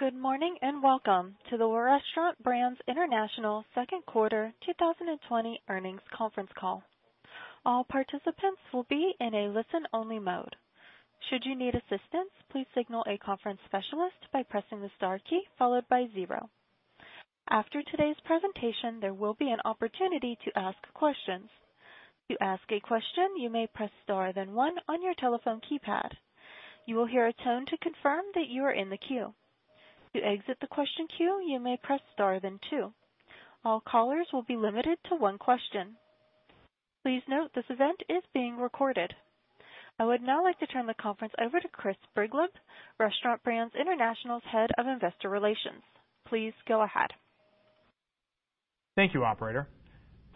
Good morning, welcome to the Restaurant Brands International second quarter 2020 earnings conference call. All participants will be in a listen-only mode. Should you need assistance, please signal a conference specialist by pressing the star key followed by zero. After today's presentation, there will be an opportunity to ask questions. To ask a question, you may press star then one on your telephone keypad. You will hear a tone to confirm that you are in the queue. To exit the question queue, you may press star then two. All callers will be limited to one question. Please note this event is being recorded. I would now like to turn the conference over to Chris Brigleb, Restaurant Brands International's Head of Investor Relations. Please go ahead. Thank you, operator.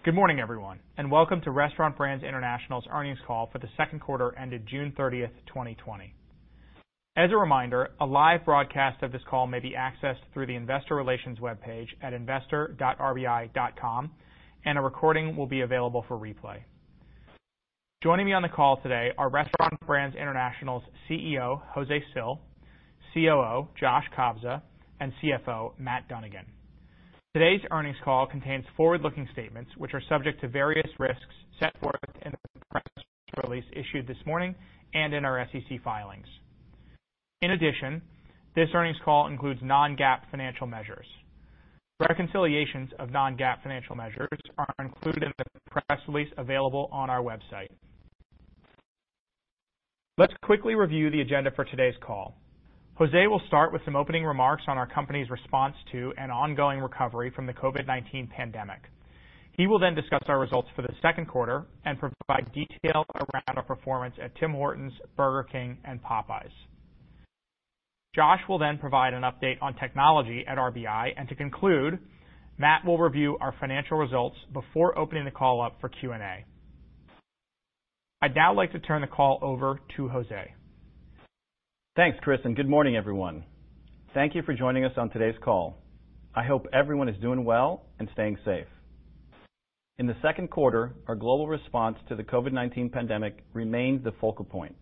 Good morning, everyone, and welcome to Restaurant Brands International's earnings call for the second quarter ended June 30th 2020. As a reminder, a live broadcast of this call may be accessed through the investor relations webpage at investor.rbi.com, and a recording will be available for replay. Joining me on the call today are Restaurant Brands International's CEO, José Cil, COO, Josh Kobza, and CFO, Matt Dunnigan. Today's earnings call contains forward-looking statements which are subject to various risks set forth in the press release issued this morning and in our SEC filings. In addition, this earnings call includes non-GAAP financial measures. Reconciliations of non-GAAP financial measures are included in the press release available on our website. Let's quickly review the agenda for today's call. José will start with some opening remarks on our company's response to an ongoing recovery from the COVID-19 pandemic. He will then discuss our results for the second quarter and provide detail around our performance at Tim Hortons, Burger King, and Popeyes. Josh will then provide an update on technology at RBI. To conclude, Matt will review our financial results before opening the call up for Q&A. I'd now like to turn the call over to José. Thanks, Chris, good morning, everyone. Thank you for joining us on today's call. I hope everyone is doing well and staying safe. In the second quarter, our global response to the COVID-19 pandemic remained the focal point.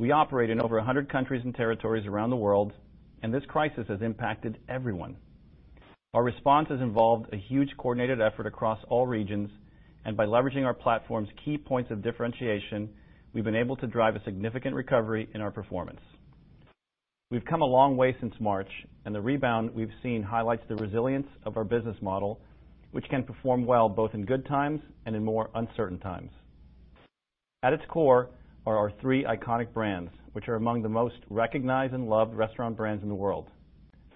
We operate in over 100 countries and territories around the world, and this crisis has impacted everyone. Our response has involved a huge coordinated effort across all regions, and by leveraging our platform's key points of differentiation, we've been able to drive a significant recovery in our performance. We've come a long way since March, and the rebound we've seen highlights the resilience of our business model, which can perform well both in good times and in more uncertain times. At its core are our three iconic brands, which are among the most recognized and loved restaurant brands in the world.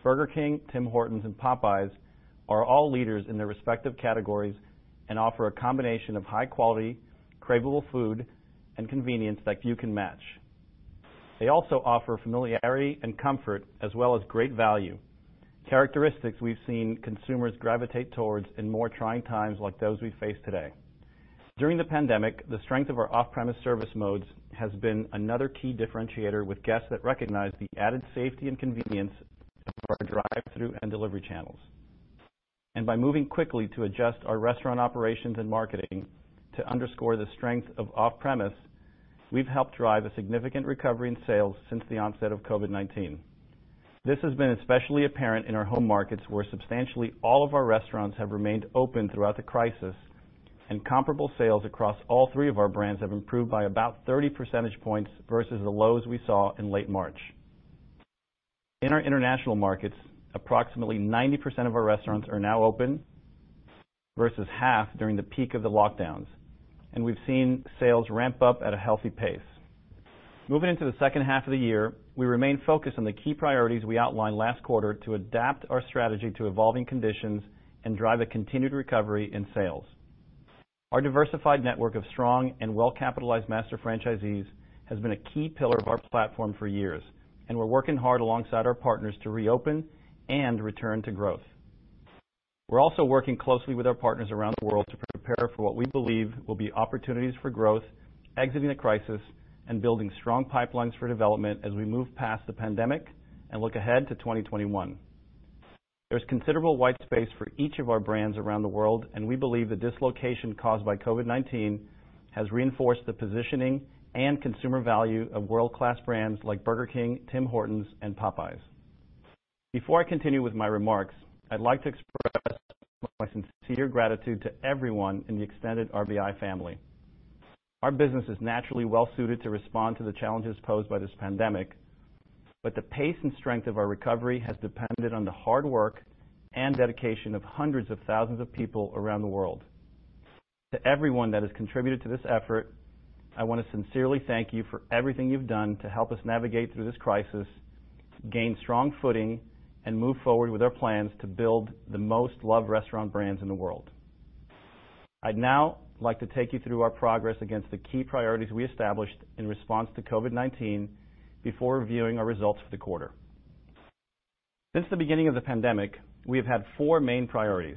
Burger King, Tim Hortons, and Popeyes are all leaders in their respective categories and offer a combination of high quality, craveable food, and convenience that few can match. They also offer familiarity and comfort, as well as great value, characteristics we've seen consumers gravitate towards in more trying times like those we face today. During the pandemic, the strength of our off-premise service modes has been another key differentiator with guests that recognize the added safety and convenience of our drive-thru and delivery channels. By moving quickly to adjust our restaurant operations and marketing to underscore the strength of off-premise, we've helped drive a significant recovery in sales since the onset of COVID-19. This has been especially apparent in our home markets, where substantially all of our restaurants have remained open throughout the crisis, and comparable sales across all three of our brands have improved by about 30 percentage points versus the lows we saw in late March. In our international markets, approximately 90% of our restaurants are now open, versus half during the peak of the lockdowns, and we've seen sales ramp up at a healthy pace. Moving into the second half of the year, we remain focused on the key priorities we outlined last quarter to adapt our strategy to evolving conditions and drive a continued recovery in sales. Our diversified network of strong and well-capitalized master franchisees has been a key pillar of our platform for years, and we're working hard alongside our partners to reopen and return to growth. We're also working closely with our partners around the world to prepare for what we believe will be opportunities for growth, exiting the crisis, and building strong pipelines for development as we move past the pandemic and look ahead to 2021. There's considerable white space for each of our brands around the world, and we believe the dislocation caused by COVID-19 has reinforced the positioning and consumer value of world-class brands like Burger King, Tim Hortons, and Popeyes. Before I continue with my remarks, I'd like to express my sincere gratitude to everyone in the extended RBI family. Our business is naturally well suited to respond to the challenges posed by this pandemic, but the pace and strength of our recovery has depended on the hard work and dedication of hundreds of thousands of people around the world. To everyone that has contributed to this effort, I want to sincerely thank you for everything you've done to help us navigate through this crisis, gain strong footing, and move forward with our plans to build the most loved restaurant brands in the world. I'd now like to take you through our progress against the key priorities we established in response to COVID-19 before reviewing our results for the quarter. Since the beginning of the pandemic, we have had four main priorities.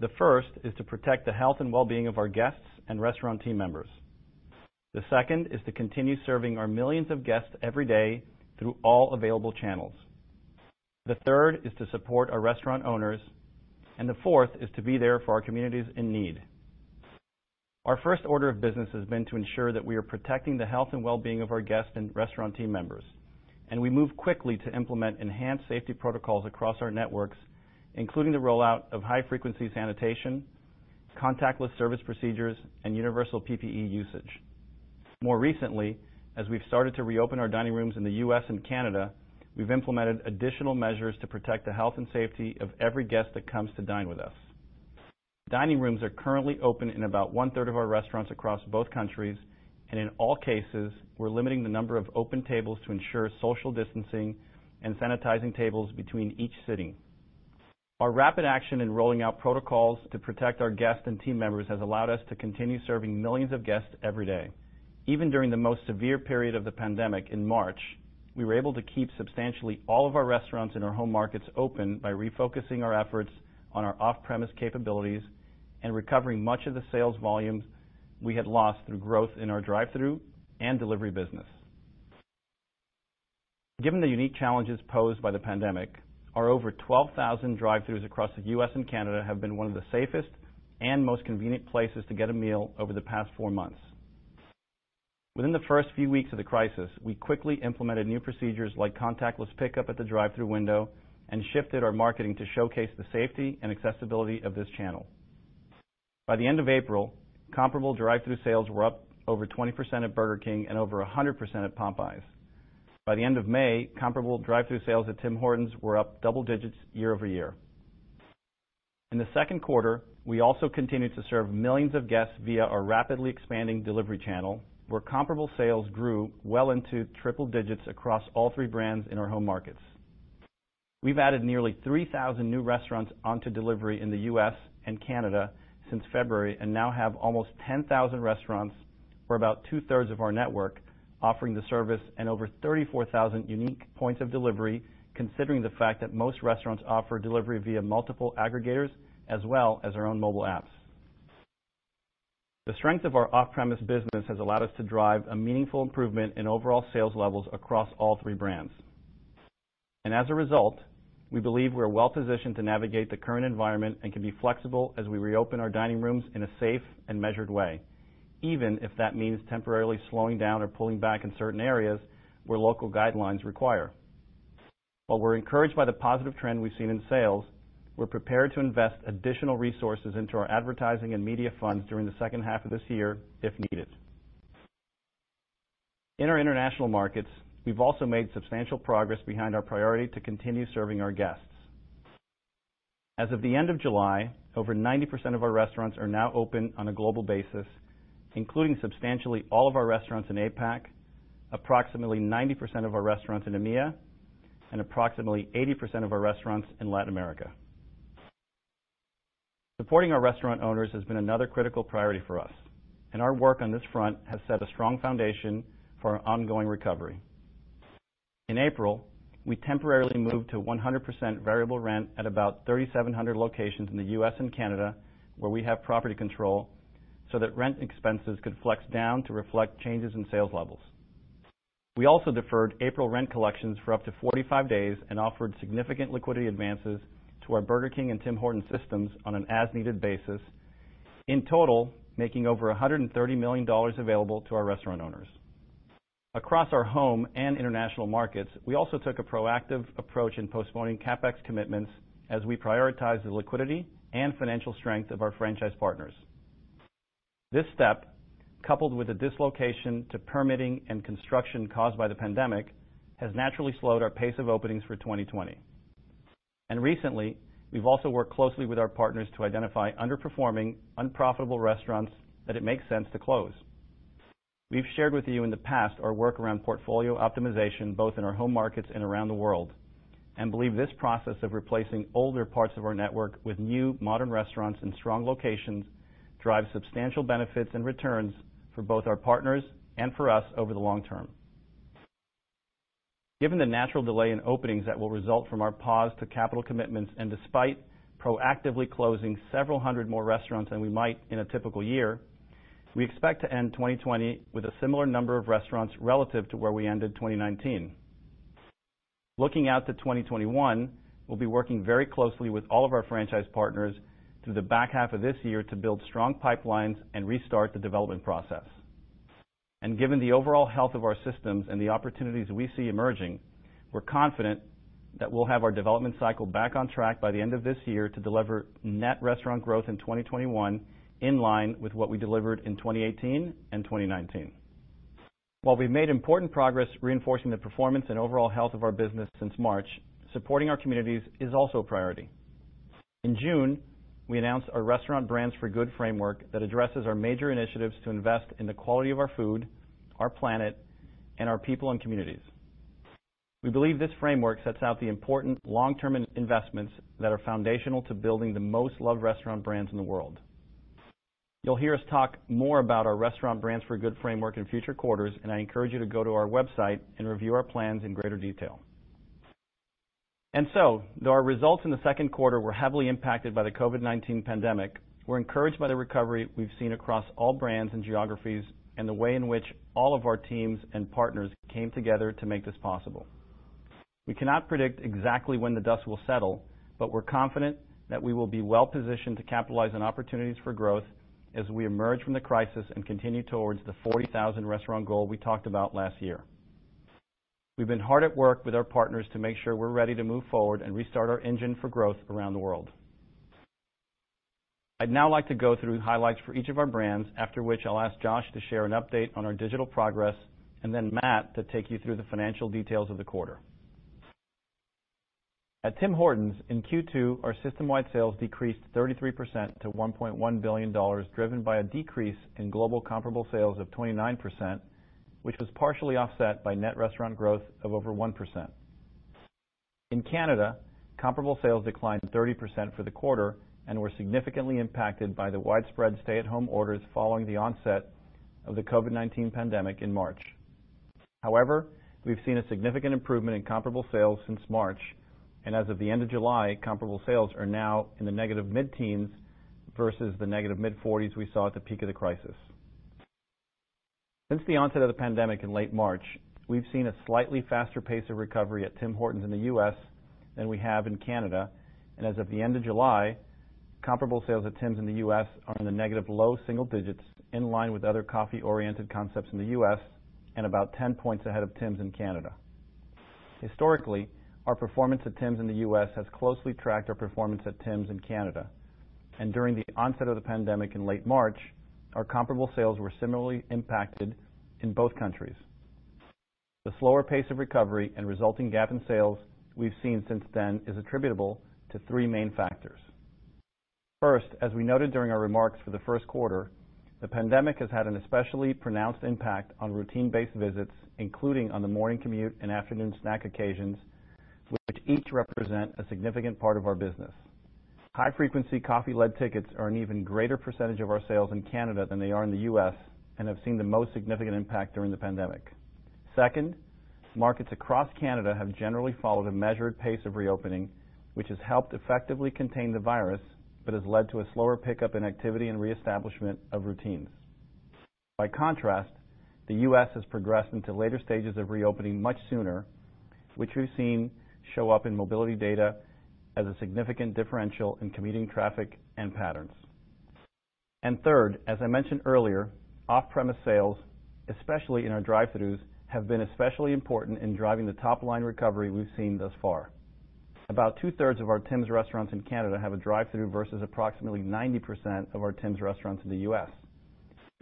The first is to protect the health and well-being of our guests and restaurant team members. The second is to continue serving our millions of guests every day through all available channels. The third is to support our restaurant owners, and the fourth is to be there for our communities in need. Our first order of business has been to ensure that we are protecting the health and well-being of our guests and restaurant team members, and we moved quickly to implement enhanced safety protocols across our networks, including the rollout of high-frequency sanitation, contactless service procedures, and universal PPE usage. More recently, as we've started to reopen our dining rooms in the U.S. and Canada, we've implemented additional measures to protect the health and safety of every guest that comes to dine with us. Dining rooms are currently open in about one-third of our restaurants across both countries, and in all cases, we're limiting the number of open tables to ensure social distancing and sanitizing tables between each sitting. Our rapid action in rolling out protocols to protect our guests and team members has allowed us to continue serving millions of guests every day. Even during the most severe period of the pandemic in March, we were able to keep substantially all of our restaurants in our home markets open by refocusing our efforts on our off-premise capabilities and recovering much of the sales volumes we had lost through growth in our drive-thru and delivery business. Given the unique challenges posed by the pandemic, our over 12,000 drive-thrus across the U.S. and Canada have been one of the safest and most convenient places to get a meal over the past four months. Within the first few weeks of the crisis, we quickly implemented new procedures like contactless pickup at the drive-thru window and shifted our marketing to showcase the safety and accessibility of this channel. By the end of April, comparable drive-thru sales were up over 20% at Burger King and over 100% at Popeyes. By the end of May, comparable drive-thru sales at Tim Hortons were up double digits year-over-year. In the second quarter, we also continued to serve millions of guests via our rapidly expanding delivery channel, where comparable sales grew well into triple digits across all three brands in our home markets. We've added nearly 3,000 new restaurants onto delivery in the U.S. and Canada since February and now have almost 10,000 restaurants, or about two-thirds of our network, offering the service and over 34,000 unique points of delivery, considering the fact that most restaurants offer delivery via multiple aggregators as well as our own mobile apps. The strength of our off-premise business has allowed us to drive a meaningful improvement in overall sales levels across all three brands. As a result, we believe we're well-positioned to navigate the current environment and can be flexible as we reopen our dining rooms in a safe and measured way, even if that means temporarily slowing down or pulling back in certain areas where local guidelines require. While we're encouraged by the positive trend we've seen in sales, we're prepared to invest additional resources into our advertising and media funds during the second half of this year if needed. In our international markets, we've also made substantial progress behind our priority to continue serving our guests. As of the end of July, over 90% of our restaurants are now open on a global basis, including substantially all of our restaurants in APAC, approximately 90% of our restaurants in EMEA, and approximately 80% of our restaurants in Latin America. Supporting our restaurant owners has been another critical priority for us, and our work on this front has set a strong foundation for our ongoing recovery. In April, we temporarily moved to 100% variable rent at about 3,700 locations in the U.S. and Canada, where we have property control, so that rent expenses could flex down to reflect changes in sales levels. We also deferred April rent collections for up to 45 days and offered significant liquidity advances to our Burger King and Tim Hortons systems on an as-needed basis, in total, making over $130 million available to our restaurant owners. Across our home and international markets, we also took a proactive approach in postponing CapEx commitments as we prioritize the liquidity and financial strength of our franchise partners. This step, coupled with the dislocation to permitting and construction caused by the pandemic, has naturally slowed our pace of openings for 2020. Recently, we've also worked closely with our partners to identify underperforming, unprofitable restaurants that it makes sense to close. We've shared with you in the past our work around portfolio optimization, both in our home markets and around the world, and believe this process of replacing older parts of our network with new, modern restaurants and strong locations drives substantial benefits and returns for both our partners and for us over the long term. Given the natural delay in openings that will result from our pause to capital commitments and despite proactively closing several hundred more restaurants than we might in a typical year, we expect to end 2020 with a similar number of restaurants relative to where we ended 2019. Looking out to 2021, we'll be working very closely with all of our franchise partners through the back half of this year to build strong pipelines and restart the development process. Given the overall health of our systems and the opportunities we see emerging, we're confident that we'll have our development cycle back on track by the end of this year to deliver net restaurant growth in 2021 in line with what we delivered in 2018 and 2019. While we've made important progress reinforcing the performance and overall health of our business since March, supporting our communities is also a priority. In June, we announced our Restaurant Brands for Good framework that addresses our major initiatives to invest in the quality of our food, our planet, and our people and communities. We believe this framework sets out the important long-term investments that are foundational to building the most loved restaurant brands in the world. You'll hear us talk more about our Restaurant Brands for Good framework in future quarters. I encourage you to go to our website and review our plans in greater detail. Though our results in the second quarter were heavily impacted by the COVID-19 pandemic, we're encouraged by the recovery we've seen across all brands and geographies and the way in which all of our teams and partners came together to make this possible. We're confident that we will be well-positioned to capitalize on opportunities for growth as we emerge from the crisis and continue towards the 40,000 restaurant goal we talked about last year. We've been hard at work with our partners to make sure we're ready to move forward and restart our engine for growth around the world. I'd now like to go through highlights for each of our brands, after which I'll ask Josh to share an update on our digital progress, and then Matt to take you through the financial details of the quarter. At Tim Hortons, in Q2, our system-wide sales decreased 33% to $1.1 billion, driven by a decrease in global comparable sales of 29%, which was partially offset by net restaurant growth of over 1%. In Canada, comparable sales declined 30% for the quarter and were significantly impacted by the widespread stay-at-home orders following the onset of the COVID-19 pandemic in March. However, we've seen a significant improvement in comparable sales since March, and as of the end of July, comparable sales are now in the negative mid-teens versus the negative mid-40s we saw at the peak of the crisis. Since the onset of the pandemic in late March, we've seen a slightly faster pace of recovery at Tim Hortons in the U.S. than we have in Canada. As of the end of July, comparable sales at Tims in the U.S. are in the negative low double digits, in line with other coffee-oriented concepts in the U.S., and about 10 points ahead of Tims in Canada. Historically, our performance at Tims in the U.S. has closely tracked our performance at Tims in Canada, and during the onset of the pandemic in late March, our comparable sales were similarly impacted in both countries. The slower pace of recovery and resulting gap in sales we've seen since then is attributable to three main factors. First, as we noted during our remarks for the first quarter, the pandemic has had an especially pronounced impact on routine based visits, including on the morning commute and afternoon snack occasions, which each represent a significant part of our business. High frequency coffee-led tickets are an even greater percentage of our sales in Canada than they are in the U.S. and have seen the most significant impact during the pandemic. Second, markets across Canada have generally followed a measured pace of reopening, which has helped effectively contain the virus but has led to a slower pickup in activity and reestablishment of routines. By contrast, the U.S. has progressed into later stages of reopening much sooner, which we've seen show up in mobility data as a significant differential in commuting traffic and patterns. Third, as I mentioned earlier, off-premise sales, especially in our drive-throughs, have been especially important in driving the top-line recovery we've seen thus far. About two-thirds of our Tims restaurants in Canada have a drive-through versus approximately 90% of our Tims restaurants in the U.S.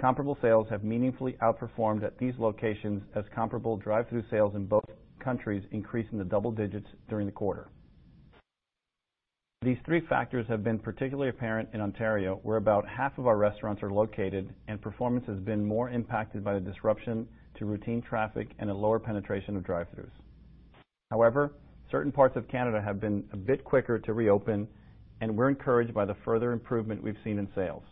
Comparable sales have meaningfully outperformed at these locations as comparable drive-through sales in both countries increased in the double digits during the Q2. These three factors have been particularly apparent in Ontario, where about half of our restaurants are located, and performance has been more impacted by the disruption to routine traffic and a lower penetration of drive-throughs. However, certain parts of Canada have been a bit quicker to reopen, and we're encouraged by the further improvement we've seen in sales.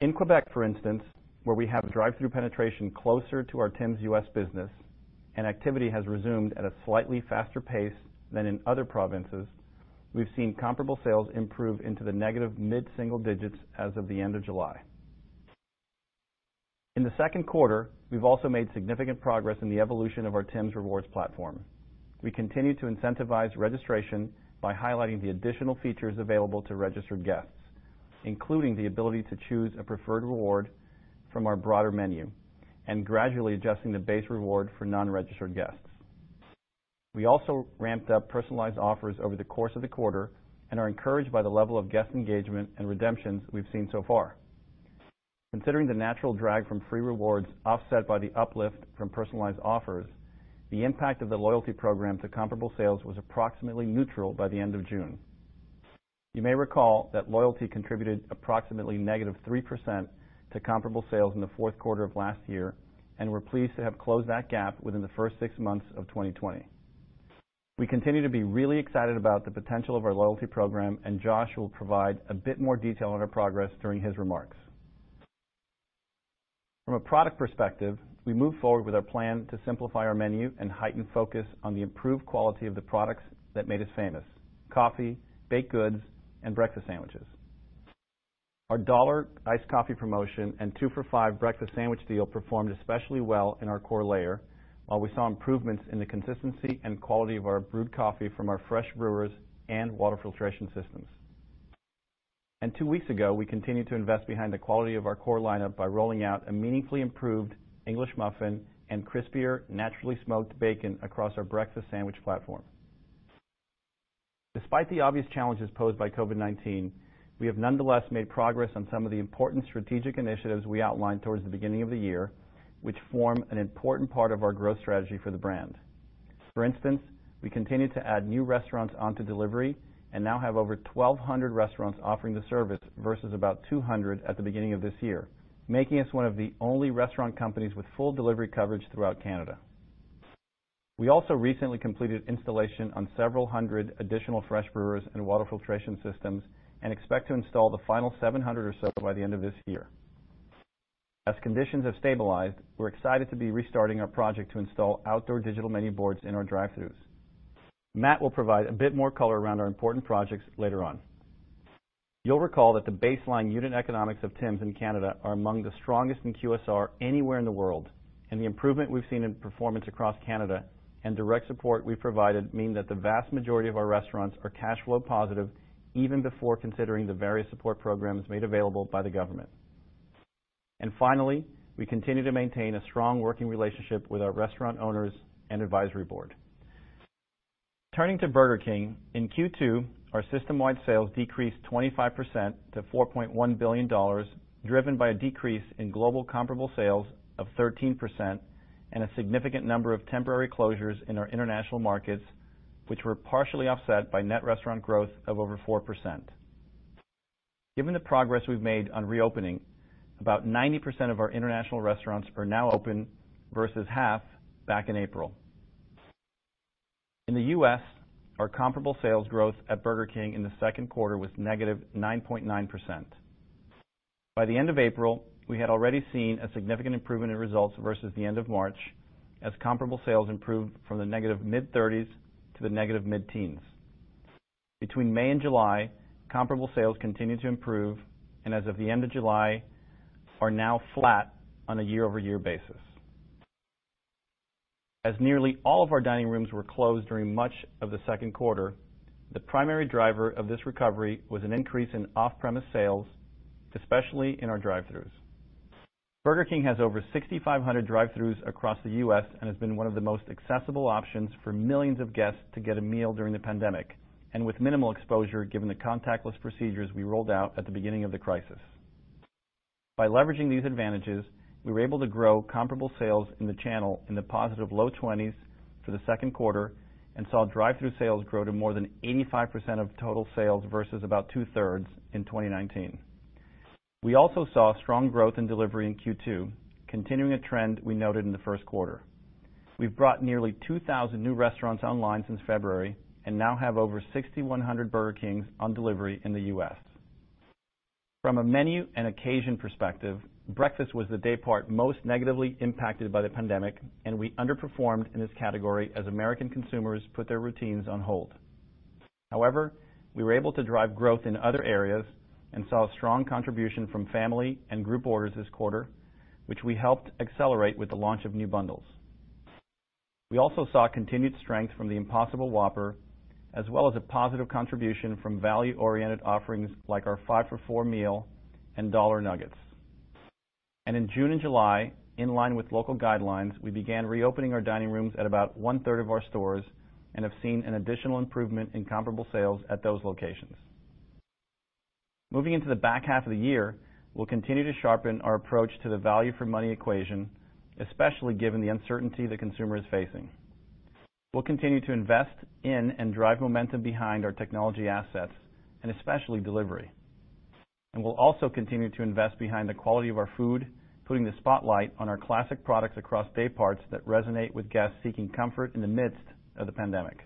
In Quebec, for instance, where we have drive-through penetration closer to our Tim Hortons U.S. business and activity has resumed at a slightly faster pace than in other provinces, we've seen comparable sales improve into the negative mid-single digits as of the end of July. In the second quarter, we've also made significant progress in the evolution of our Tims Rewards platform. We continue to incentivize registration by highlighting the additional features available to registered guests, including the ability to choose a preferred reward from our broader menu and gradually adjusting the base reward for non-registered guests. We also ramped up personalized offers over the course of the quarter and are encouraged by the level of guest engagement and redemptions we've seen so far. Considering the natural drag from free rewards offset by the uplift from personalized offers, the impact of the loyalty program to comparable sales was approximately neutral by the end of June. You may recall that loyalty contributed approximately negative 3% to comparable sales in the fourth quarter of last year, and we're pleased to have closed that gap within the first six months of 2020. We continue to be really excited about the potential of our loyalty program. Josh will provide a bit more detail on our progress during his remarks. From a product perspective, we moved forward with our plan to simplify our menu and heighten focus on the improved quality of the products that made us famous: coffee, baked goods, and breakfast sandwiches. Our dollar iced coffee promotion and two for five breakfast sandwich deal performed especially well in our core layer, while we saw improvements in the consistency and quality of our brewed coffee from our fresh brewers and water filtration systems. Two weeks ago, we continued to invest behind the quality of our core lineup by rolling out a meaningfully improved English muffin and crispier naturally smoked bacon across our breakfast sandwich platform. Despite the obvious challenges posed by COVID-19, we have nonetheless made progress on some of the important strategic initiatives we outlined towards the beginning of the year, which form an important part of our growth strategy for the brand. For instance, we continue to add new restaurants onto delivery and now have over 1,200 restaurants offering the service versus about 200 at the beginning of this year, making us one of the only restaurant companies with full delivery coverage throughout Canada. We also recently completed installation on several hundred additional fresh brewers and water filtration systems and expect to install the final 700 or so by the end of this year. As conditions have stabilized, we're excited to be restarting our project to install outdoor digital menu boards in our drive-throughs. Matt will provide a bit more color around our important projects later on. You'll recall that the baseline unit economics of TIM's in Canada are among the strongest in QSR anywhere in the world, and the improvement we've seen in performance across Canada and direct support we've provided mean that the vast majority of our restaurants are cash flow positive even before considering the various support programs made available by the government. Finally, we continue to maintain a strong working relationship with our restaurant owners and advisory board. Turning to Burger King, in Q2, our system-wide sales decreased 25% to $4.1 billion, driven by a decrease in global comparable sales of 13% and a significant number of temporary closures in our international markets, which were partially offset by net restaurant growth of over 4%. Given the progress we've made on reopening, about 90% of our international restaurants are now open versus half back in April. In the U.S., our comparable sales growth at Burger King in the second quarter was negative 9.9%. By the end of April, we had already seen a significant improvement in results versus the end of March, as comparable sales improved from the negative mid-30s to the negative mid-teens. Between May and July, comparable sales continued to improve and as of the end of July, are now flat on a year-over-year basis. As nearly all of our dining rooms were closed during much of the second quarter, the primary driver of this recovery was an increase in off-premise sales, especially in our drive-throughs. Burger King has over 6,500 drive-throughs across the U.S. and has been one of the most accessible options for millions of guests to get a meal during the pandemic, and with minimal exposure given the contactless procedures we rolled out at the beginning of the crisis. By leveraging these advantages, we were able to grow comparable sales in the channel in the positive low 20s for the second quarter and saw drive-through sales grow to more than 85% of total sales versus about two-thirds in 2019. We also saw strong growth in delivery in Q2, continuing a trend we noted in the first quarter. We've brought nearly 2,000 new restaurants online since February and now have over 6,100 Burger Kings on delivery in the U.S. From a menu and occasion perspective, breakfast was the daypart most negatively impacted by the pandemic, and we underperformed in this category as American consumers put their routines on hold. However, we were able to drive growth in other areas and saw strong contribution from family and group orders this quarter, which we helped accelerate with the launch of new bundles. We also saw continued strength from the Impossible Whopper, as well as a positive contribution from value-oriented offerings like our five for four meal and dollar nuggets. In June and July, in line with local guidelines, we began reopening our dining rooms at about one-third of our stores and have seen an additional improvement in comparable sales at those locations. Moving into the back half of the year, we'll continue to sharpen our approach to the value for money equation, especially given the uncertainty the consumer is facing. We'll continue to invest in and drive momentum behind our technology assets, and especially delivery. We'll also continue to invest behind the quality of our food, putting the spotlight on our classic products across dayparts that resonate with guests seeking comfort in the midst of the pandemic.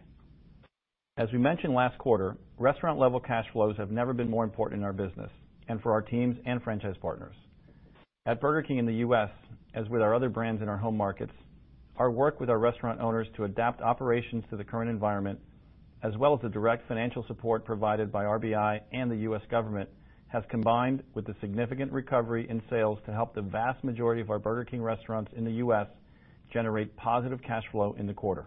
As we mentioned last quarter, restaurant-level cash flows have never been more important in our business and for our teams and franchise partners. At Burger King in the U.S., as with our other brands in our home markets, our work with our restaurant owners to adapt operations to the current environment, as well as the direct financial support provided by RBI and the U.S. government, has combined with the significant recovery in sales to help the vast majority of our Burger King restaurants in the U.S. generate positive cash flow in the quarter.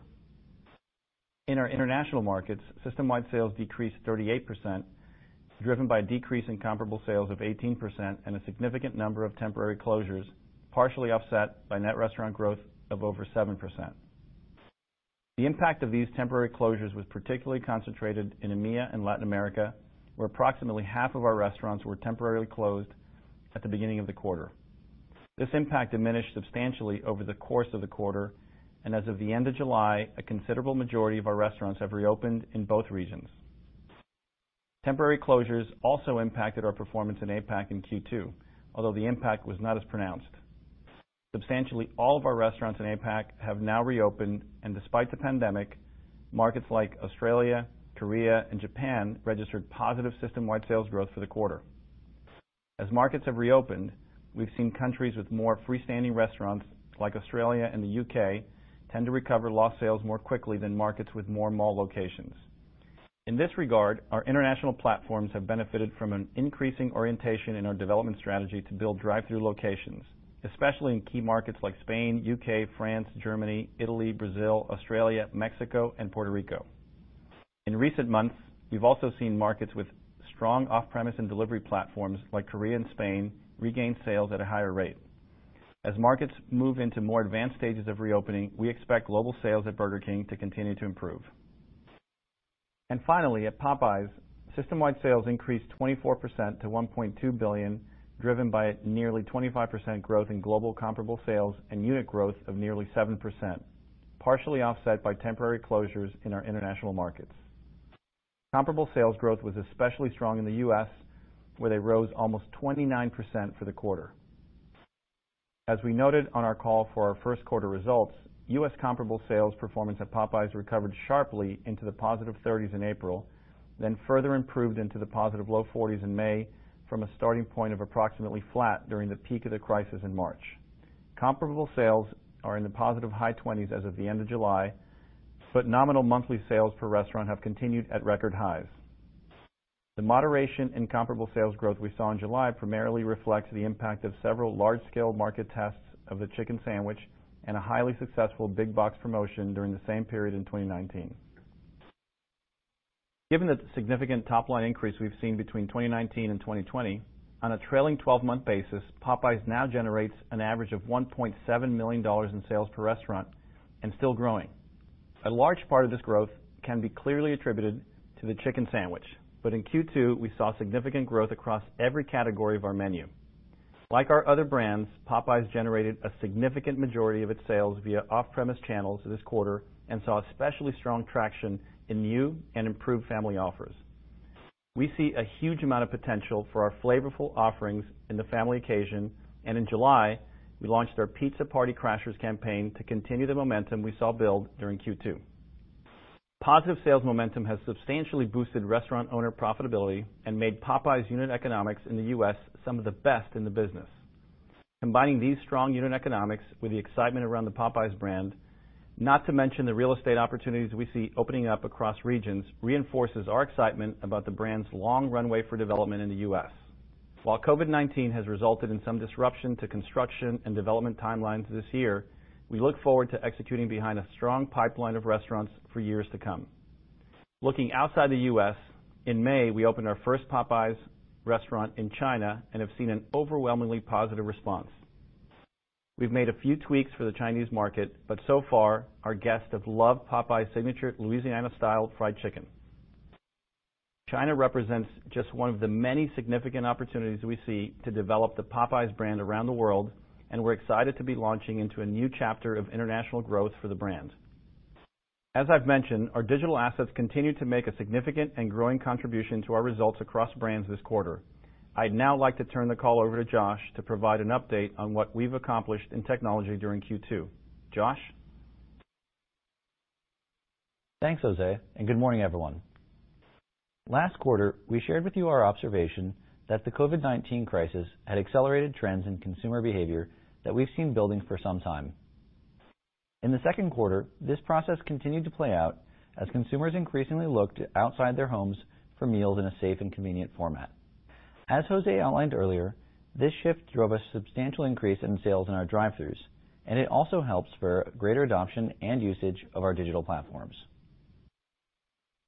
In our international markets, system-wide sales decreased 38%, driven by a decrease in comparable sales of 18% and a significant number of temporary closures, partially offset by net restaurant growth of over 7%. The impact of these temporary closures was particularly concentrated in EMEA and Latin America, where approximately half of our restaurants were temporarily closed at the beginning of the quarter. This impact diminished substantially over the course of the quarter, and as of the end of July, a considerable majority of our restaurants have reopened in both regions. Temporary closures also impacted our performance in APAC in Q2, although the impact was not as pronounced. Substantially all of our restaurants in APAC have now reopened, and despite the pandemic, markets like Australia, Korea, and Japan registered positive system-wide sales growth for the quarter. As markets have reopened, we've seen countries with more freestanding restaurants, like Australia and the U.K., tend to recover lost sales more quickly than markets with more mall locations. In this regard, our international platforms have benefited from an increasing orientation in our development strategy to build drive-through locations, especially in key markets like Spain, U.K., France, Germany, Italy, Brazil, Australia, Mexico, and Puerto Rico. In recent months, we've also seen markets with strong off-premise and delivery platforms, like Korea and Spain, regain sales at a higher rate. As markets move into more advanced stages of reopening, we expect global sales at Burger King to continue to improve. Finally, at Popeyes, system-wide sales increased 24% to $1.2 billion, driven by nearly 25% growth in global comparable sales and unit growth of nearly 7%, partially offset by temporary closures in our international markets. Comparable sales growth was especially strong in the U.S., where they rose almost 29% for the quarter. As we noted on our call for our first quarter results, U.S. comparable sales performance at Popeyes recovered sharply into the positive 30s in April, then further improved into the positive low 40s in May, from a starting point of approximately flat during the peak of the crisis in March. Comparable sales are in the positive high 20s as of the end of July, but nominal monthly sales per restaurant have continued at record highs. The moderation in comparable sales growth we saw in July primarily reflects the impact of several large-scale market tests of the chicken sandwich and a highly successful Big Box promotion during the same period in 2019. Given the significant top-line increase we've seen between 2019 and 2020, on a trailing 12-month basis, Popeyes now generates an average of $1.7 million in sales per restaurant and still growing. A large part of this growth can be clearly attributed to the chicken sandwich. In Q2, we saw significant growth across every category of our menu. Like our other brands, Popeyes generated a significant majority of its sales via off-premise channels this quarter and saw especially strong traction in new and improved family offers. We see a huge amount of potential for our flavorful offerings in the family occasion, and in July, we launched our Pizza Party Crashers campaign to continue the momentum we saw build during Q2. Positive sales momentum has substantially boosted restaurant owner profitability and made Popeyes unit economics in the U.S. some of the best in the business. Combining these strong unit economics with the excitement around the Popeyes brand, not to mention the real estate opportunities we see opening up across regions, reinforces our excitement about the brand's long runway for development in the U.S. While COVID-19 has resulted in some disruption to construction and development timelines this year, we look forward to executing behind a strong pipeline of restaurants for years to come. Looking outside the U.S., in May, we opened our first Popeyes restaurant in China and have seen an overwhelmingly positive response. We've made a few tweaks for the Chinese market, but so far, our guests have loved Popeyes' signature Louisiana-style fried chicken. China represents just one of the many significant opportunities we see to develop the Popeyes brand around the world, and we're excited to be launching into a new chapter of international growth for the brand. As I've mentioned, our digital assets continue to make a significant and growing contribution to our results across brands this quarter. I'd now like to turn the call over to Josh to provide an update on what we've accomplished in technology during Q2. Josh? Thanks, José. Good morning, everyone. Last quarter, we shared with you our observation that the COVID-19 crisis had accelerated trends in consumer behavior that we've seen building for some time. In the second quarter, this process continued to play out as consumers increasingly looked outside their homes for meals in a safe and convenient format. As José outlined earlier, this shift drove a substantial increase in sales in our drive-throughs, and it also helps for greater adoption and usage of our digital platforms.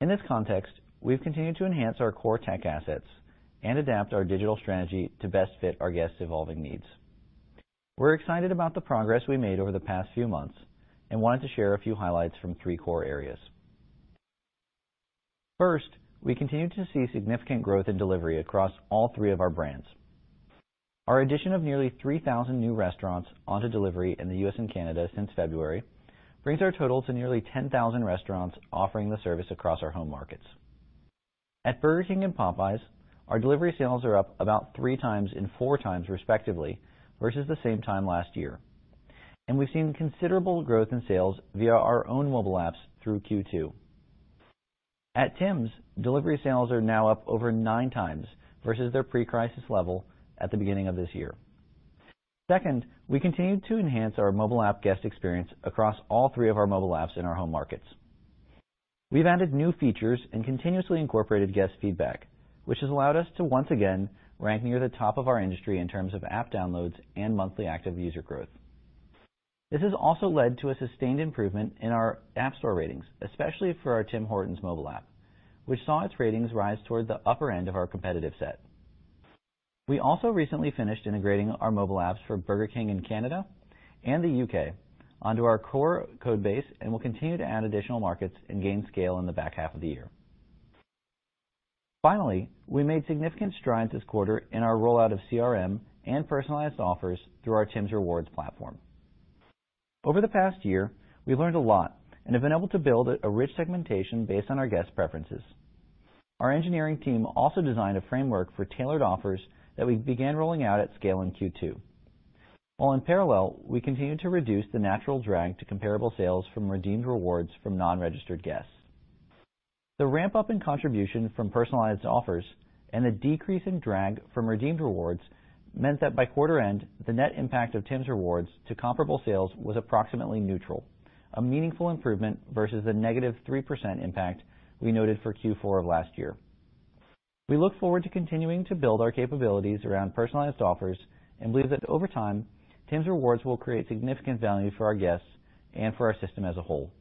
In this context, we've continued to enhance our core tech assets and adapt our digital strategy to best fit our guests' evolving needs. We're excited about the progress we made over the past few months and wanted to share a few highlights from three core areas. First, we continue to see significant growth in delivery across all three of our brands. Our addition of nearly 3,000 new restaurants onto delivery in the U.S. and Canada since February brings our total to nearly 10,000 restaurants offering the service across our home markets. At Burger King and Popeyes, our delivery sales are up about three times and four times respectively versus the same time last year. We've seen considerable growth in sales via our own mobile apps through Q2. At Tims, delivery sales are now up over nine times versus their pre-crisis level at the beginning of this year. Second, we continue to enhance our mobile app guest experience across all three of our mobile apps in our home markets. We've added new features and continuously incorporated guest feedback, which has allowed us to once again rank near the top of our industry in terms of app downloads and monthly active user growth. This has also led to a sustained improvement in our app store ratings, especially for our Tim Hortons mobile app, which saw its ratings rise toward the upper end of our competitive set. We also recently finished integrating our mobile apps for Burger King in Canada and the U.K. onto our core code base and will continue to add additional markets and gain scale in the back half of the year. Finally, we made significant strides this quarter in our rollout of CRM and personalized offers through our Tims Rewards platform. Over the past year, we've learned a lot and have been able to build a rich segmentation based on our guests' preferences. Our engineering team also designed a framework for tailored offers that we began rolling out at scale in Q2. While in parallel, we continued to reduce the natural drag to comparable sales from redeemed rewards from non-registered guests. The ramp-up in contribution from personalized offers and a decrease in drag from redeemed rewards meant that by quarter end, the net impact of Tims Rewards to comparable sales was approximately neutral, a meaningful improvement versus the -3% impact we noted for Q4 of last year. We look forward to continuing to build our capabilities around personalized offers and believe that over time, Tims Rewards will create significant value for our guests and for our system as a whole.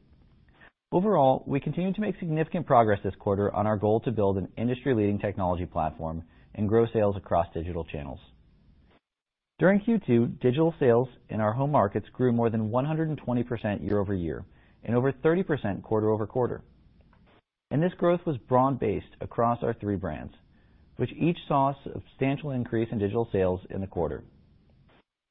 Overall, we continue to make significant progress this quarter on our goal to build an industry-leading technology platform and grow sales across digital channels. During Q2, digital sales in our home markets grew more than 120% year-over-year and over 30% quarter-over-quarter. This growth was broad-based across our three brands, which each saw a substantial increase in digital sales in the quarter.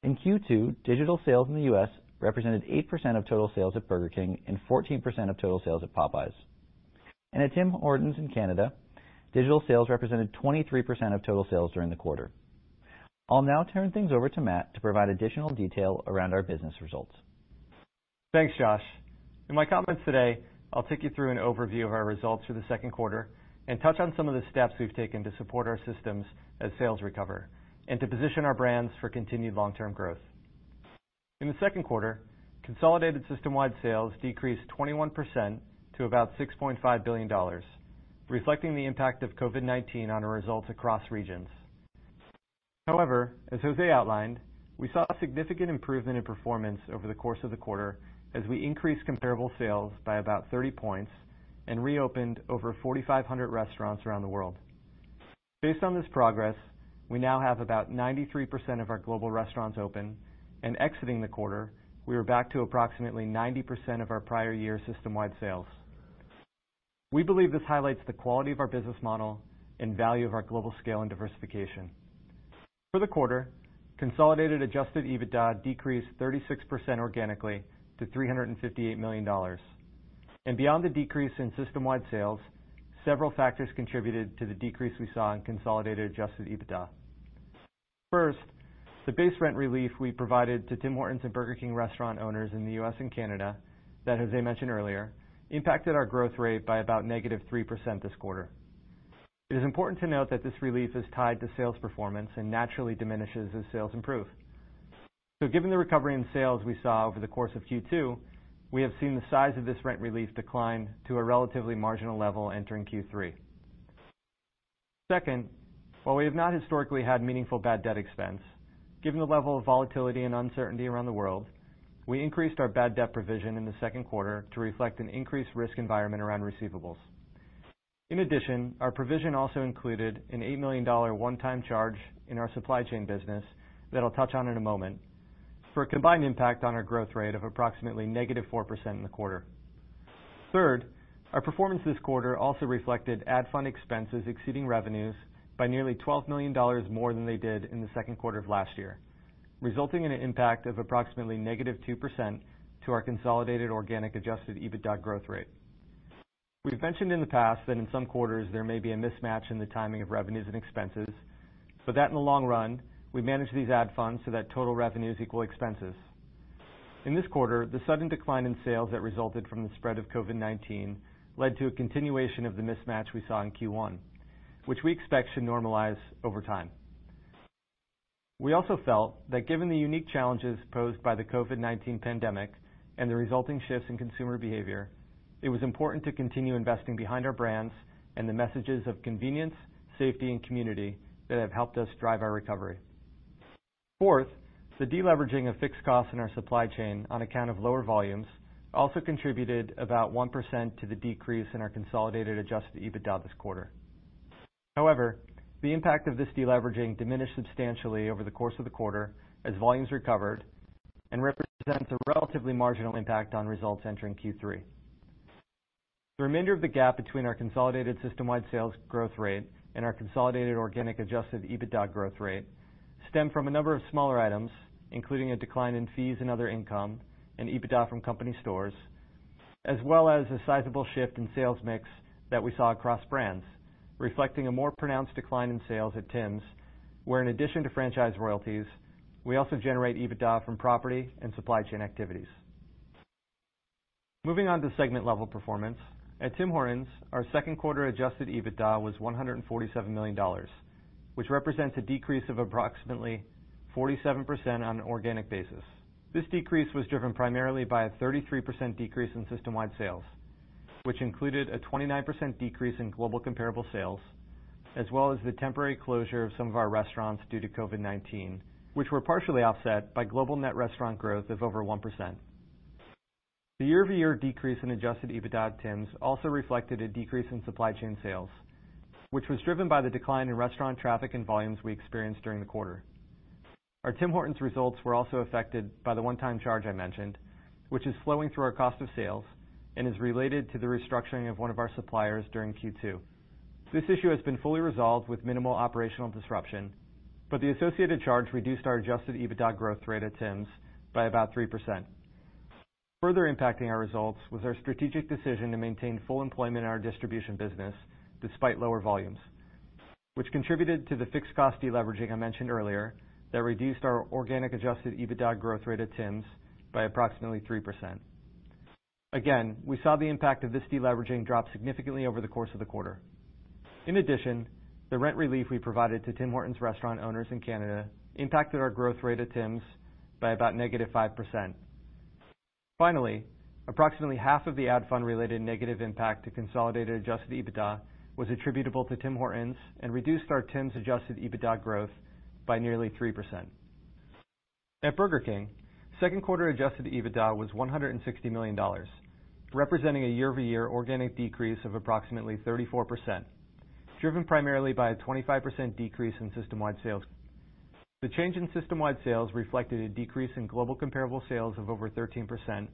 In Q2, digital sales in the U.S. represented 8% of total sales at Burger King and 14% of total sales at Popeyes. At Tim Hortons in Canada, digital sales represented 23% of total sales during the quarter. I'll now turn things over to Matt to provide additional detail around our business results. Thanks, Josh. In my comments today, I'll take you through an overview of our results for the second quarter and touch on some of the steps we've taken to support our systems as sales recover and to position our brands for continued long-term growth. In the second quarter, consolidated systemwide sales decreased 21% to about $6.5 billion, reflecting the impact of COVID-19 on our results across regions. As José outlined, we saw a significant improvement in performance over the course of the quarter as we increased comparable sales by about 30 points and reopened over 4,500 restaurants around the world. Based on this progress, we now have about 93% of our global restaurants open, and exiting the quarter, we are back to approximately 90% of our prior year systemwide sales. We believe this highlights the quality of our business model and value of our global scale and diversification. For the quarter, consolidated adjusted EBITDA decreased 36% organically to $358 million. Beyond the decrease in systemwide sales, several factors contributed to the decrease we saw in consolidated adjusted EBITDA. First, the base rent relief we provided to Tim Hortons and Burger King restaurant owners in the U.S. and Canada that José mentioned earlier impacted our growth rate by about negative 3% this quarter. It is important to note that this relief is tied to sales performance and naturally diminishes as sales improve. Given the recovery in sales we saw over the course of Q2, we have seen the size of this rent relief decline to a relatively marginal level entering Q3. Second, while we have not historically had meaningful bad debt expense, given the level of volatility and uncertainty around the world, we increased our bad debt provision in the second quarter to reflect an increased risk environment around receivables. In addition, our provision also included an $8 million one-time charge in our supply chain business that I'll touch on in a moment for a combined impact on our growth rate of approximately negative 4% in the quarter. Third, our performance this quarter also reflected ad fund expenses exceeding revenues by nearly $12 million more than they did in the second quarter of last year, resulting in an impact of approximately negative 2% to our consolidated organic adjusted EBITDA growth rate. We've mentioned in the past that in some quarters there may be a mismatch in the timing of revenues and expenses, but that in the long run, we manage these ad funds so that total revenues equal expenses. In this quarter, the sudden decline in sales that resulted from the spread of COVID-19 led to a continuation of the mismatch we saw in Q1, which we expect should normalize over time. We also felt that given the unique challenges posed by the COVID-19 pandemic and the resulting shifts in consumer behavior, it was important to continue investing behind our brands and the messages of convenience, safety, and community that have helped us drive our recovery. Fourth, the deleveraging of fixed costs in our supply chain on account of lower volumes also contributed about 1% to the decrease in our consolidated adjusted EBITDA this quarter. However, the impact of this deleveraging diminished substantially over the course of the quarter as volumes recovered and represents a relatively marginal impact on results entering Q3. The remainder of the gap between our consolidated systemwide sales growth rate and our consolidated organic adjusted EBITDA growth rate stem from a number of smaller items, including a decline in fees and other income and EBITDA from company stores, as well as a sizable shift in sales mix that we saw across brands, reflecting a more pronounced decline in sales at Tims, where in addition to franchise royalties, we also generate EBITDA from property and supply chain activities. Moving on to segment level performance. At Tim Hortons, our second quarter adjusted EBITDA was $147 million, which represents a decrease of approximately 47% on an organic basis. This decrease was driven primarily by a 33% decrease in systemwide sales, which included a 29% decrease in global comparable sales, as well as the temporary closure of some of our restaurants due to COVID-19, which were partially offset by global net restaurant growth of over 1%. The year-over-year decrease in adjusted EBITDA at Tims also reflected a decrease in supply chain sales, which was driven by the decline in restaurant traffic and volumes we experienced during the quarter. Our Tim Hortons results were also affected by the one-time charge I mentioned, which is flowing through our cost of sales and is related to the restructuring of one of our suppliers during Q2. This issue has been fully resolved with minimal operational disruption, but the associated charge reduced our adjusted EBITDA growth rate at Tims by about 3%. Further impacting our results was our strategic decision to maintain full employment in our distribution business despite lower volumes, which contributed to the fixed cost deleveraging I mentioned earlier that reduced our organic adjusted EBITDA growth rate at Tims by approximately 3%. Again, we saw the impact of this deleveraging drop significantly over the course of the quarter. In addition, the rent relief we provided to Tim Hortons restaurant owners in Canada impacted our growth rate at Tims by about negative 5%. Finally, approximately half of the ad fund related negative impact to consolidated adjusted EBITDA was attributable to Tim Hortons and reduced our Tims adjusted EBITDA growth by nearly 3%. At Burger King, second quarter adjusted EBITDA was $160 million, representing a year-over-year organic decrease of approximately 34%, driven primarily by a 25% decrease in systemwide sales. The change in system-wide sales reflected a decrease in global comparable sales of over 13%,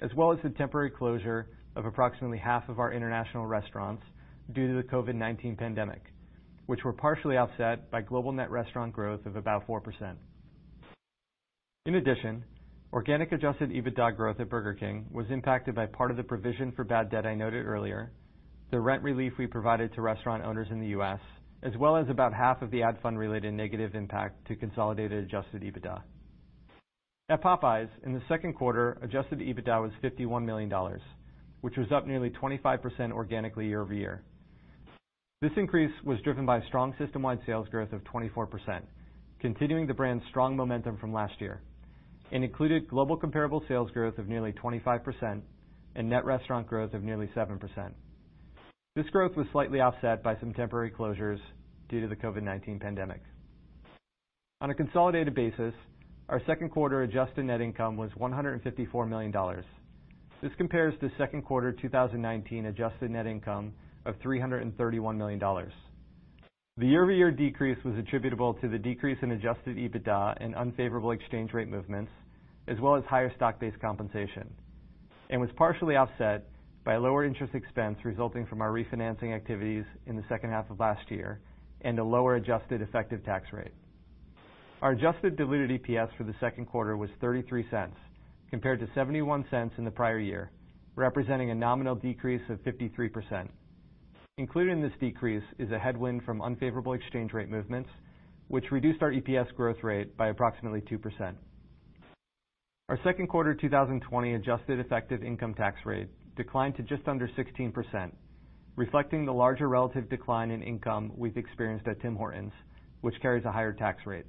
as well as the temporary closure of approximately half of our international restaurants due to the COVID-19 pandemic, which were partially offset by global net restaurant growth of about 4%. In addition, organic adjusted EBITDA growth at Burger King was impacted by part of the provision for bad debt I noted earlier, the rent relief we provided to restaurant owners in the U.S., as well as about half of the ad fund related negative impact to consolidated adjusted EBITDA. At Popeyes, in the second quarter, adjusted EBITDA was $51 million, which was up nearly 25% organically year-over-year. This increase was driven by strong system-wide sales growth of 24%, continuing the brand's strong momentum from last year, and included global comparable sales growth of nearly 25% and net restaurant growth of nearly 7%. This growth was slightly offset by some temporary closures due to the COVID-19 pandemic. On a consolidated basis, our second quarter adjusted net income was $154 million. This compares to second quarter 2019 adjusted net income of $331 million. The year-over-year decrease was attributable to the decrease in adjusted EBITDA and unfavorable exchange rate movements, as well as higher stock-based compensation, and was partially offset by lower interest expense resulting from our refinancing activities in the second half of last year and a lower adjusted effective tax rate. Our adjusted diluted EPS for the second quarter was $0.33 compared to $0.71 in the prior year, representing a nominal decrease of 53%. Included in this decrease is a headwind from unfavorable exchange rate movements, which reduced our EPS growth rate by approximately 2%. Our second quarter 2020 adjusted effective income tax rate declined to just under 16%, reflecting the larger relative decline in income we've experienced at Tim Hortons, which carries a higher tax rate.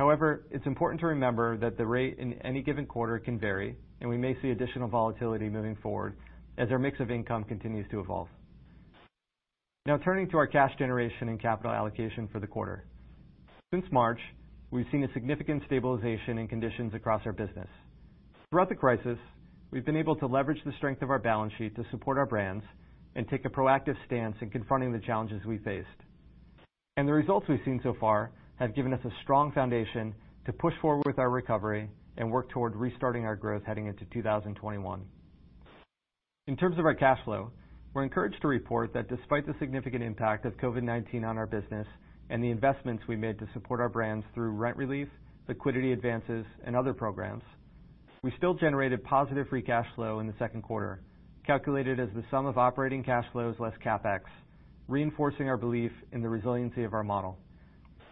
However, it's important to remember that the rate in any given quarter can vary, and we may see additional volatility moving forward as our mix of income continues to evolve. Now turning to our cash generation and capital allocation for the quarter. Since March, we've seen a significant stabilization in conditions across our business. Throughout the crisis, we've been able to leverage the strength of our balance sheet to support our brands and take a proactive stance in confronting the challenges we faced. The results we've seen so far have given us a strong foundation to push forward with our recovery and work toward restarting our growth heading into 2021. In terms of our cash flow, we're encouraged to report that despite the significant impact of COVID-19 on our business and the investments we made to support our brands through rent relief, liquidity advances, and other programs, we still generated positive free cash flow in the second quarter, calculated as the sum of operating cash flows less CapEx, reinforcing our belief in the resiliency of our model.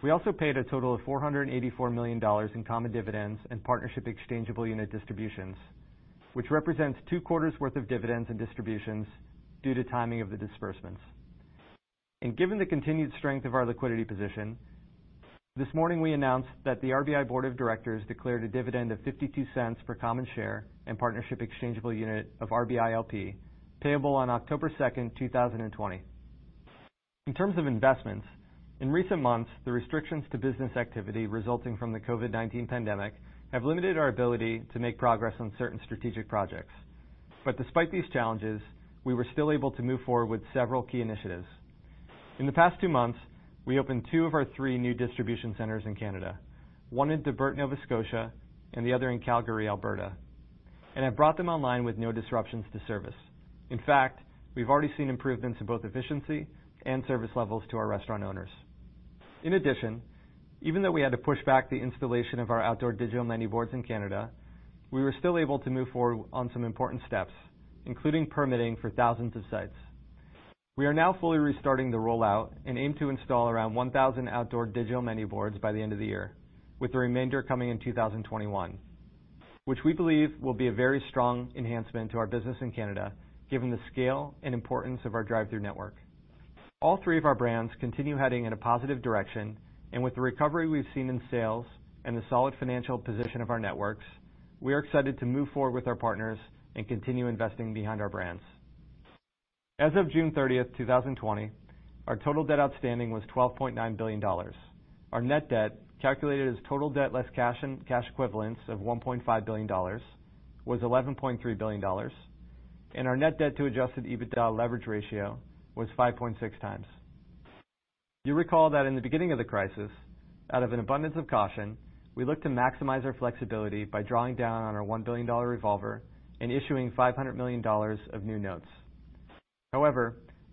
We also paid a total of $484 million in common dividends and partnership exchangeable unit distributions, which represents two quarters' worth of dividends and distributions due to timing of the disbursements. Given the continued strength of our liquidity position, this morning we announced that the RBI Board of Directors declared a dividend of $0.52 per common share and partnership exchangeable unit of RBILP, payable on October 2nd, 2020. In terms of investments, in recent months, the restrictions to business activity resulting from the COVID-19 pandemic have limited our ability to make progress on certain strategic projects. Despite these challenges, we were still able to move forward with several key initiatives. In the past two months, we opened two of our three new distribution centers in Canada, one in Debert, Nova Scotia, and the other in Calgary, Alberta, and have brought them online with no disruptions to service. In fact, we've already seen improvements in both efficiency and service levels to our restaurant owners. In addition, even though we had to push back the installation of our outdoor digital menu boards in Canada, we were still able to move forward on some important steps, including permitting for thousands of sites. We are now fully restarting the rollout and aim to install around 1,000 outdoor digital menu boards by the end of the year, with the remainder coming in 2021, which we believe will be a very strong enhancement to our business in Canada given the scale and importance of our drive-thru network. All three of our brands continue heading in a positive direction, and with the recovery we've seen in sales and the solid financial position of our networks, we are excited to move forward with our partners and continue investing behind our brands. As of June 30th, 2020, our total debt outstanding was $12.9 billion. Our net debt, calculated as total debt less cash and cash equivalents of $1.5 billion, was $11.3 billion, and our net debt to adjusted EBITDA leverage ratio was 5.6x. You recall that in the beginning of the crisis, out of an abundance of caution, we looked to maximize our flexibility by drawing down on our $1 billion revolver and issuing $500 million of new notes.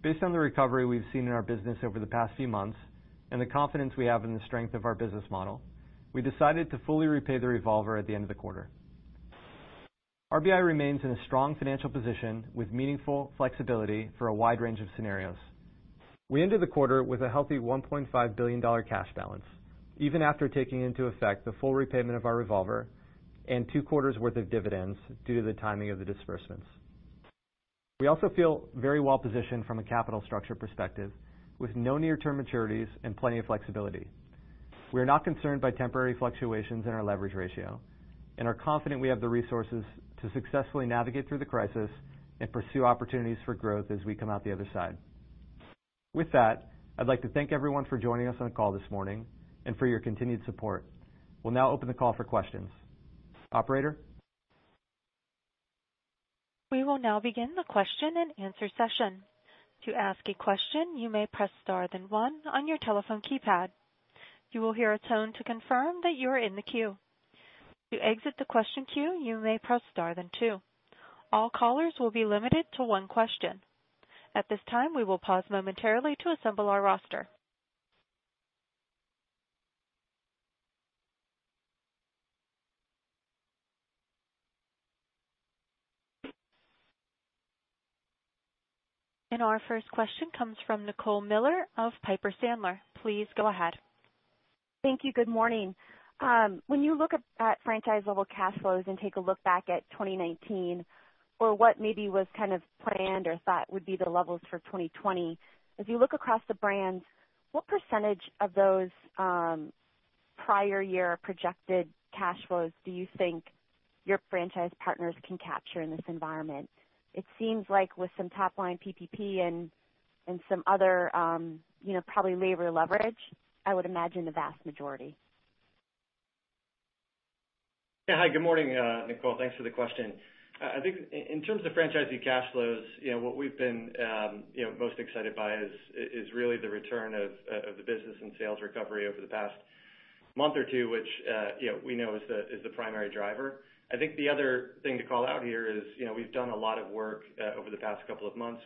Based on the recovery we've seen in our business over the past few months and the confidence we have in the strength of our business model, we decided to fully repay the revolver at the end of the quarter. RBI remains in a strong financial position with meaningful flexibility for a wide range of scenarios. We ended the quarter with a healthy $1.5 billion cash balance, even after taking into effect the full repayment of our revolver and two quarters' worth of dividends due to the timing of the disbursements. We also feel very well positioned from a capital structure perspective with no near-term maturities and plenty of flexibility. We are not concerned by temporary fluctuations in our leverage ratio and are confident we have the resources to successfully navigate through the crisis and pursue opportunities for growth as we come out the other side. With that, I'd like to thank everyone for joining us on the call this morning and for your continued support. We'll now open the call for questions. Operator? We will now begin the question-and-answer session. To ask a question, you may press star then one on your telephone keypad. You will hear a tone to confirm that you are in the queue. To exit the question queue, you may press star then two. All callers will be limited to one question. At this time, we will pause momentarily to assemble our roster. Our first question comes from Nicole Miller of Piper Sandler. Please go ahead. Thank you. Good morning. When you look at franchise level cash flows and take a look back at 2019 or what maybe was kind of planned or thought would be the levels for 2020, as you look across the brands, what percentage of those prior year projected cash flows do you think your franchise partners can capture in this environment? It seems like with some top-line PPP and some other probably labor leverage, I would imagine the vast majority. Yeah. Hi, good morning, Nicole. Thanks for the question. I think in terms of franchisee cash flows, what we've been most excited by is really the return of the business and sales recovery over the past month or two, which we know is the primary driver. I think the other thing to call out here is we've done a lot of work over the past couple of months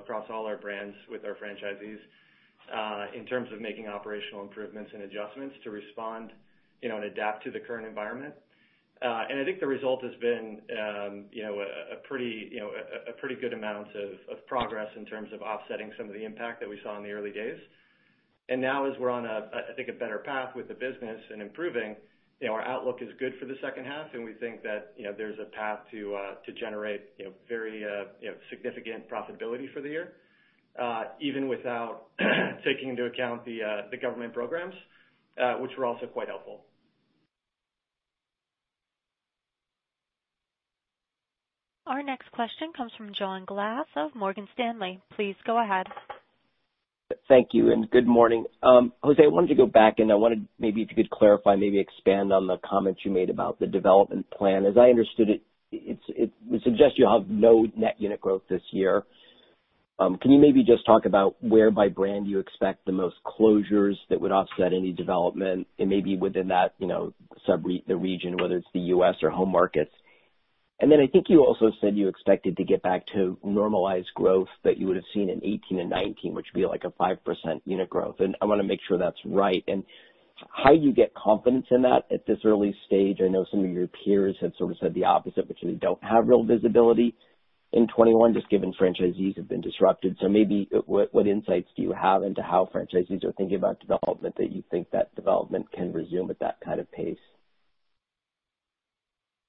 across all our brands with our franchisees, in terms of making operational improvements and adjustments to respond and adapt to the current environment. I think the result has been a pretty good amount of progress in terms of offsetting some of the impact that we saw in the early days. Now, as we're on a better path with the business and improving, our outlook is good for the second half, and we think that there's a path to generate very significant profitability for the year, even without taking into account the government programs, which were also quite helpful. Our next question comes from John Glass of Morgan Stanley. Please go ahead. Thank you, and good morning. José, I wanted to go back, and I wanted maybe if you could clarify, maybe expand on the comments you made about the development plan. As I understood it would suggest you have no net unit growth this year. Can you maybe just talk about where by brand you expect the most closures that would offset any development and maybe within that region, whether it's the U.S. or home markets? Then I think you also said you expected to get back to normalized growth that you would've seen in 2018 and 2019, which would be like a 5% unit growth, and I want to make sure that's right. How do you get confidence in that at this early stage? I know some of your peers have sort of said the opposite, which is they don't have real visibility in 2021, just given franchisees have been disrupted. Maybe what insights do you have into how franchisees are thinking about development that you think that development can resume at that kind of pace?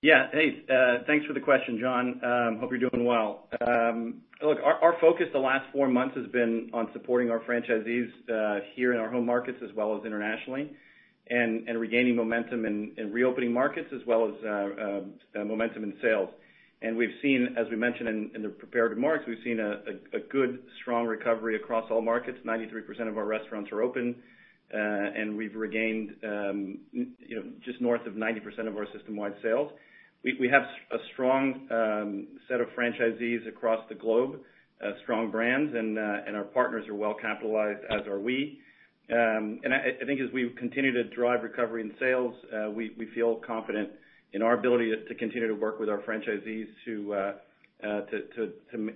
Yeah. Hey, thanks for the question, John. Hope you're doing well. Look, our focus the last four months has been on supporting our franchisees here in our home markets as well as internationally and regaining momentum and reopening markets as well as momentum in sales. As we mentioned in the prepared remarks, we've seen a good, strong recovery across all markets. 93% of our restaurants are open, and we've regained just north of 90% of our system-wide sales. We have a strong set of franchisees across the globe, strong brands, and our partners are well capitalized, as are we. I think as we continue to drive recovery and sales, we feel confident in our ability to continue to work with our franchisees to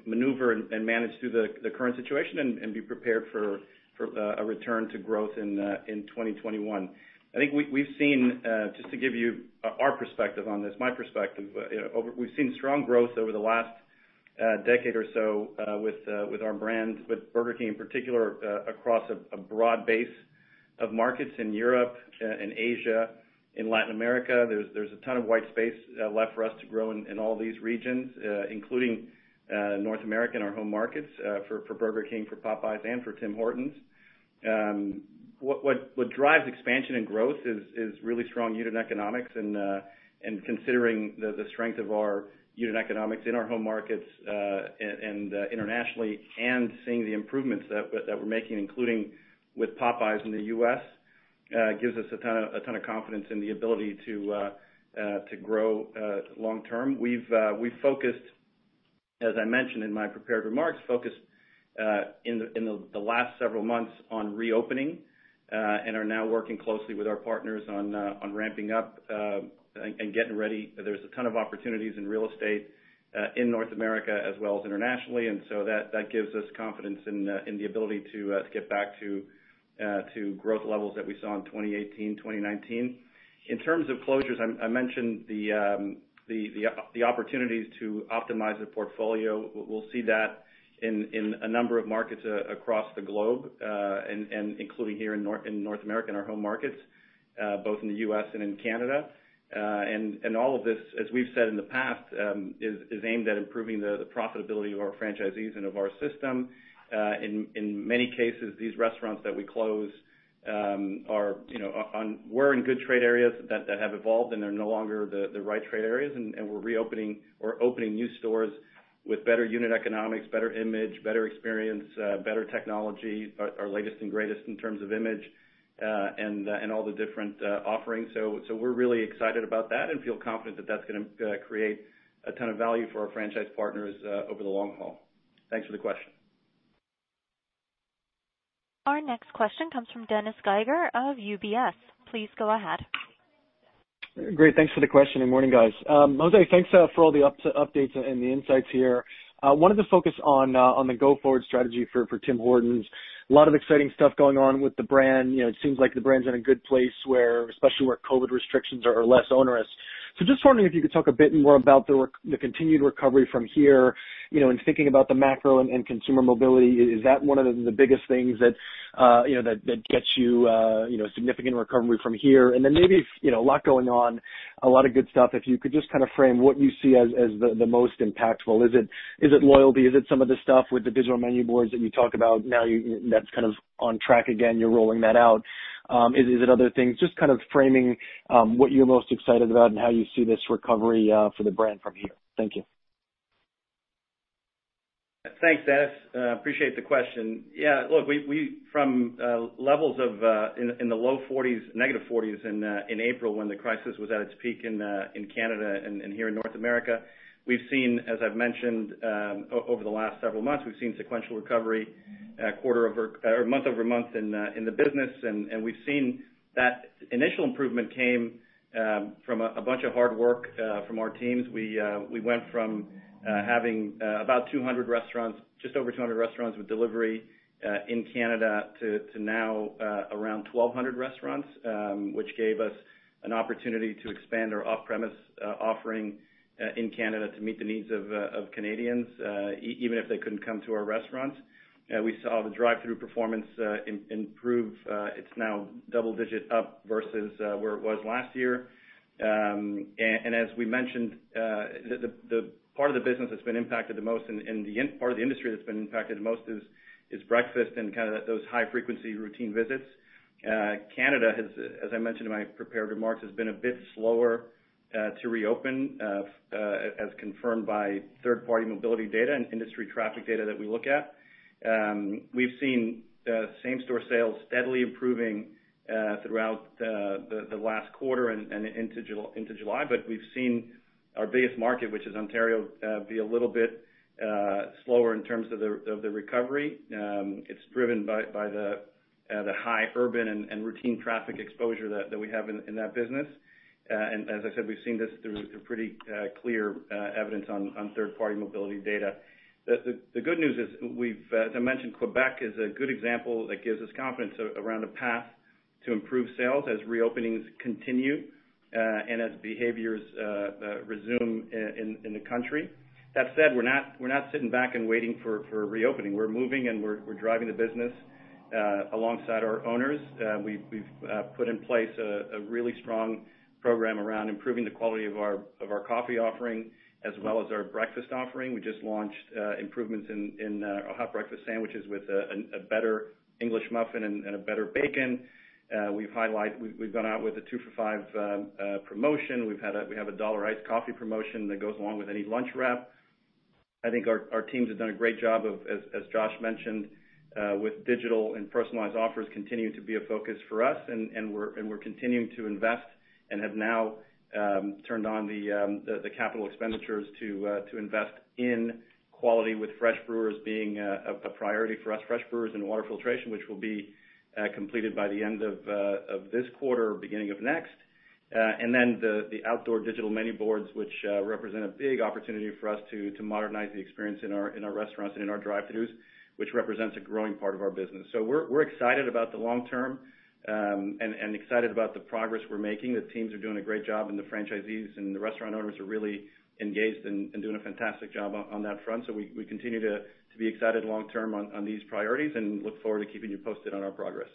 maneuver and manage through the current situation and be prepared for a return to growth in 2021. I think we've seen, just to give you our perspective on this, my perspective, we've seen strong growth over the last decade or so with our brands, with Burger King in particular, across a broad base of markets in Europe and Asia, in Latin America. There's a ton of white space left for us to grow in all these regions, including North America in our home markets, for Burger King, for Popeyes, and for Tim Hortons. What drives expansion and growth is really strong unit economics and considering the strength of our unit economics in our home markets, and internationally and seeing the improvements that we're making, including with Popeyes in the U.S., gives us a ton of confidence in the ability to grow long term. We've focused, as I mentioned in my prepared remarks, focused in the last several months on reopening, and are now working closely with our partners on ramping up and getting ready. There's a ton of opportunities in real estate in North America as well as internationally, that gives us confidence in the ability to get back to growth levels that we saw in 2018, 2019. In terms of closures, I mentioned the opportunities to optimize the portfolio. We'll see that in a number of markets across the globe, including here in North America, in our home markets, both in the U.S. and in Canada. All of this, as we've said in the past, is aimed at improving the profitability of our franchisees and of our system. In many cases, these restaurants that we close were in good trade areas that have evolved, and they're no longer the right trade areas, and we're reopening or opening new stores with better unit economics, better image, better experience, better technology, our latest and greatest in terms of image, and all the different offerings. We're really excited about that and feel confident that that's going to create a ton of value for our franchise partners over the long haul. Thanks for the question. Our next question comes from Dennis Geiger of UBS. Please go ahead. Great. Thanks for the question, morning, guys. José, thanks for all the updates and the insights here. Wanted to focus on the go-forward strategy for Tim Hortons. A lot of exciting stuff going on with the brand. It seems like the brand's in a good place, especially where COVID restrictions are less onerous. Just wondering if you could talk a bit more about the continued recovery from here, thinking about the macro and consumer mobility, is that one of the biggest things that gets you significant recovery from here? Maybe, a lot going on, a lot of good stuff, if you could just frame what you see as the most impactful. Is it loyalty? Is it some of the stuff with the digital menu boards that you talk about now that's on track again, you're rolling that out. Is it other things? Just framing what you're most excited about and how you see this recovery for the brand from here. Thank you. Thanks, Dennis. Appreciate the question. Yeah, look, from levels in the low negative 40s in April when the crisis was at its peak in Canada and here in North America, we've seen, as I've mentioned, over the last several months, we've seen sequential recovery month-over-month in the business. We've seen that initial improvement came from a bunch of hard work from our teams. We went from having just over 200 restaurants with delivery in Canada to now around 1,200 restaurants, which gave us an opportunity to expand our off-premise offering in Canada to meet the needs of Canadians, even if they couldn't come to our restaurants. We saw the drive-thru performance improve. It's now double-digit up versus where it was last year. As we mentioned, the part of the business that's been impacted the most and the part of the industry that's been impacted the most is breakfast and those high-frequency routine visits. Canada has, as I mentioned in my prepared remarks, has been a bit slower to reopen, as confirmed by third-party mobility data and industry traffic data that we look at. We've seen same-store sales steadily improving throughout the last quarter and into July. We've seen our biggest market, which is Ontario, be a little bit slower in terms of the recovery. It's driven by the high urban and routine traffic exposure that we have in that business. As I said, we've seen this through pretty clear evidence on third-party mobility data. The good news is we've, as I mentioned, Quebec is a good example that gives us confidence around a path to improve sales as reopenings continue, and as behaviors resume in the country. That said, we're not sitting back and waiting for reopening. We're moving and we're driving the business, alongside our owners. We've put in place a really strong program around improving the quality of our coffee offering as well as our breakfast offering. We just launched improvements in our hot breakfast sandwiches with a better English muffin and a better bacon. We've gone out with a two for five promotion. We have a $1 iced coffee promotion that goes along with any lunch wrap. I think our teams have done a great job of, as Josh mentioned, with digital and personalized offers continuing to be a focus for us, and we're continuing to invest and have now turned on the capital expenditures to invest in quality with fresh brewers being a priority for us. Fresh brewers and water filtration, which will be completed by the end of this quarter or beginning of next. The outdoor digital menu boards, which represent a big opportunity for us to modernize the experience in our restaurants and in our drive-thrus, which represents a growing part of our business. We're excited about the long term, and excited about the progress we're making. The teams are doing a great job, and the franchisees and the restaurant owners are really engaged and doing a fantastic job on that front. We continue to be excited long term on these priorities and look forward to keeping you posted on our progress.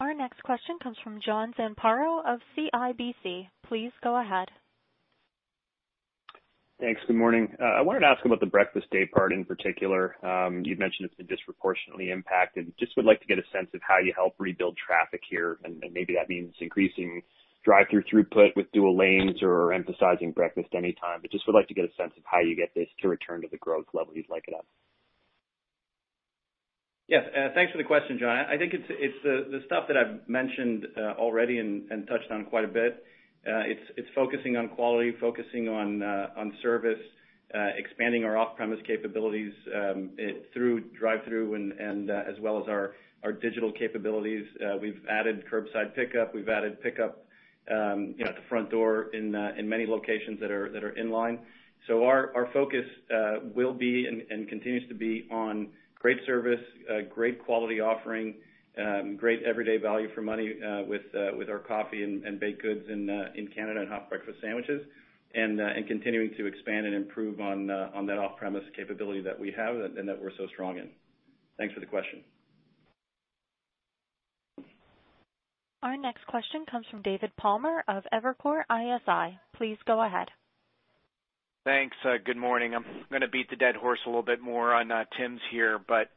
Our next question comes from John Zamparo of CIBC. Please go ahead. Thanks. Good morning. I wanted to ask about the breakfast daypart in particular. You'd mentioned it's been disproportionately impacted. Just would like to get a sense of how you help rebuild traffic here, and maybe that means increasing drive-thru throughput with dual lanes or emphasizing breakfast anytime. Just would like to get a sense of how you get this to return to the growth levels you'd like it at. Yes. Thanks for the question, John. I think it's the stuff that I've mentioned already and touched on quite a bit. It's focusing on quality, focusing on service, expanding our off-premise capabilities, through drive-thru and as well as our digital capabilities. We've added curbside pickup. We've added pickup at the front door in many locations that are in line. Our focus will be, and continues to be, on great service, great quality offering, great everyday value for money with our coffee and baked goods in Canada, and hot breakfast sandwiches, and continuing to expand and improve on that off-premise capability that we have and that we're so strong in. Thanks for the question. Our next question comes from David Palmer of Evercore ISI. Please go ahead. Thanks. Good morning. I'm going to beat the dead horse a little bit more on Tims here, but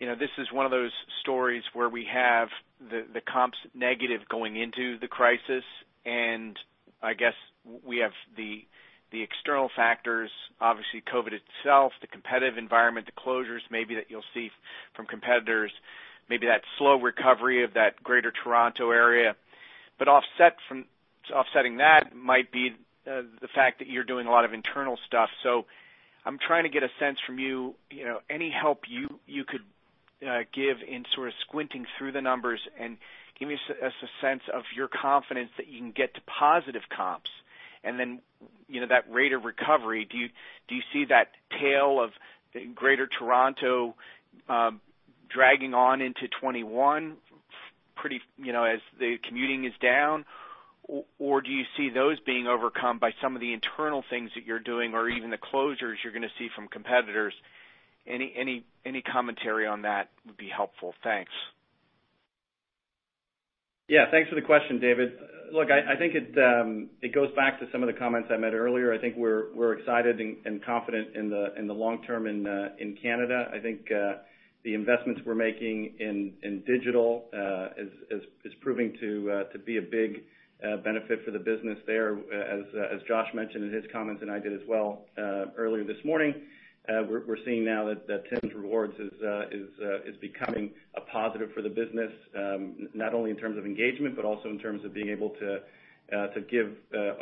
this is one of those stories where we have the comps negative going into the crisis, and I guess we have the external factors, obviously COVID-19 itself, the competitive environment, the closures maybe that you'll see from competitors, maybe that slow recovery of that Greater Toronto Area. Offsetting that might be the fact that you're doing a lot of internal stuff. I'm trying to get a sense from you, any help you could give in sort of squinting through the numbers and give me a sense of your confidence that you can get to positive comps. That rate of recovery, do you see that tail of Greater Toronto dragging on into 2021, as the commuting is down? Do you see those being overcome by some of the internal things that you're doing, or even the closures you're going to see from competitors? Any commentary on that would be helpful. Thanks. Yeah. Thanks for the question, David. Look, I think it goes back to some of the comments I made earlier. I think we're excited and confident in the long term in Canada. I think the investments we're making in digital is proving to be a big benefit for the business there, as Josh mentioned in his comments, and I did as well earlier this morning. We're seeing now that Tims Rewards is becoming a positive for the business, not only in terms of engagement, but also in terms of being able to give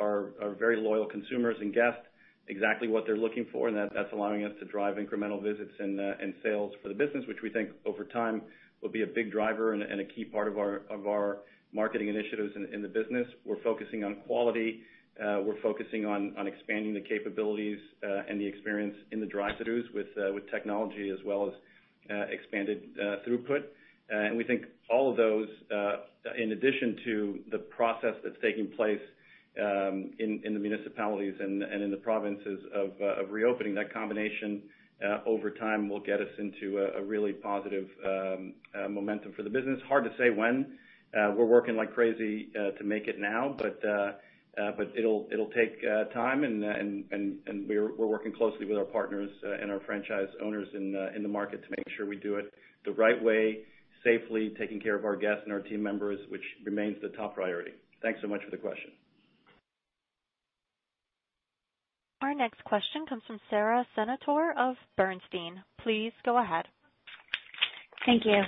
our very loyal consumers and guests exactly what they're looking for, and that's allowing us to drive incremental visits and sales for the business, which we think over time will be a big driver and a key part of our marketing initiatives in the business. We're focusing on quality. We're focusing on expanding the capabilities and the experience in the drive-throughs with technology as well as expanded throughput. We think all of those, in addition to the process that's taking place in the municipalities and in the provinces of reopening, that combination over time will get us into a really positive momentum for the business. Hard to say when. We're working like crazy to make it now, but it'll take time, and we're working closely with our partners and our franchise owners in the market to make sure we do it the right way, safely, taking care of our guests and our team members, which remains the top priority. Thanks so much for the question. Our next question comes from Sara Senatore of Bernstein. Please go ahead. Thank you.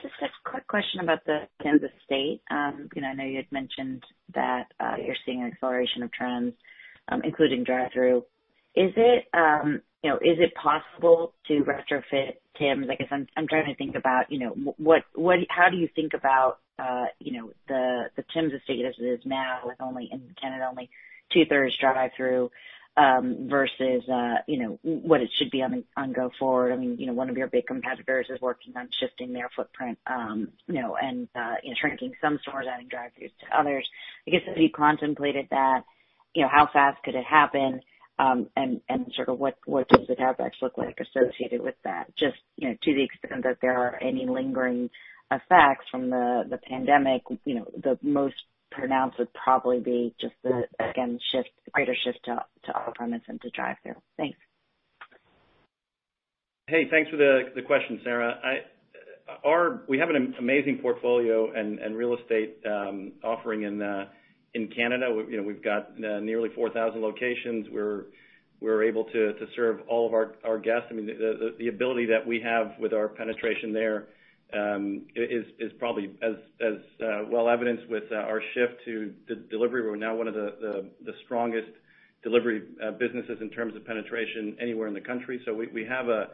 Just a quick question about the Tims estate. I know you had mentioned that you're seeing an acceleration of trends, including drive-through. Is it possible to retrofit Tims? I guess I'm trying to think about how do you think about the Tims estate as it is now with only in Canada, only two-thirds drive-through, versus what it should be on go forward. One of your big competitors is working on shifting their footprint, and shrinking some stores, adding drive-throughs to others. I guess, have you contemplated that? How fast could it happen? Sort of what does the CapEx look like associated with that? Just to the extent that there are any lingering effects from the pandemic, the most pronounced would probably be just the, again, greater shift to off-premise and to drive-through. Thanks. Hey, thanks for the question, Sara. We have an amazing portfolio and real estate offering in Canada. We've got nearly 4,000 locations. We're able to serve all of our guests. I mean, the ability that we have with our penetration there is probably as well evidenced with our shift to delivery. We're now one of the strongest delivery businesses in terms of penetration anywhere in the country. We have a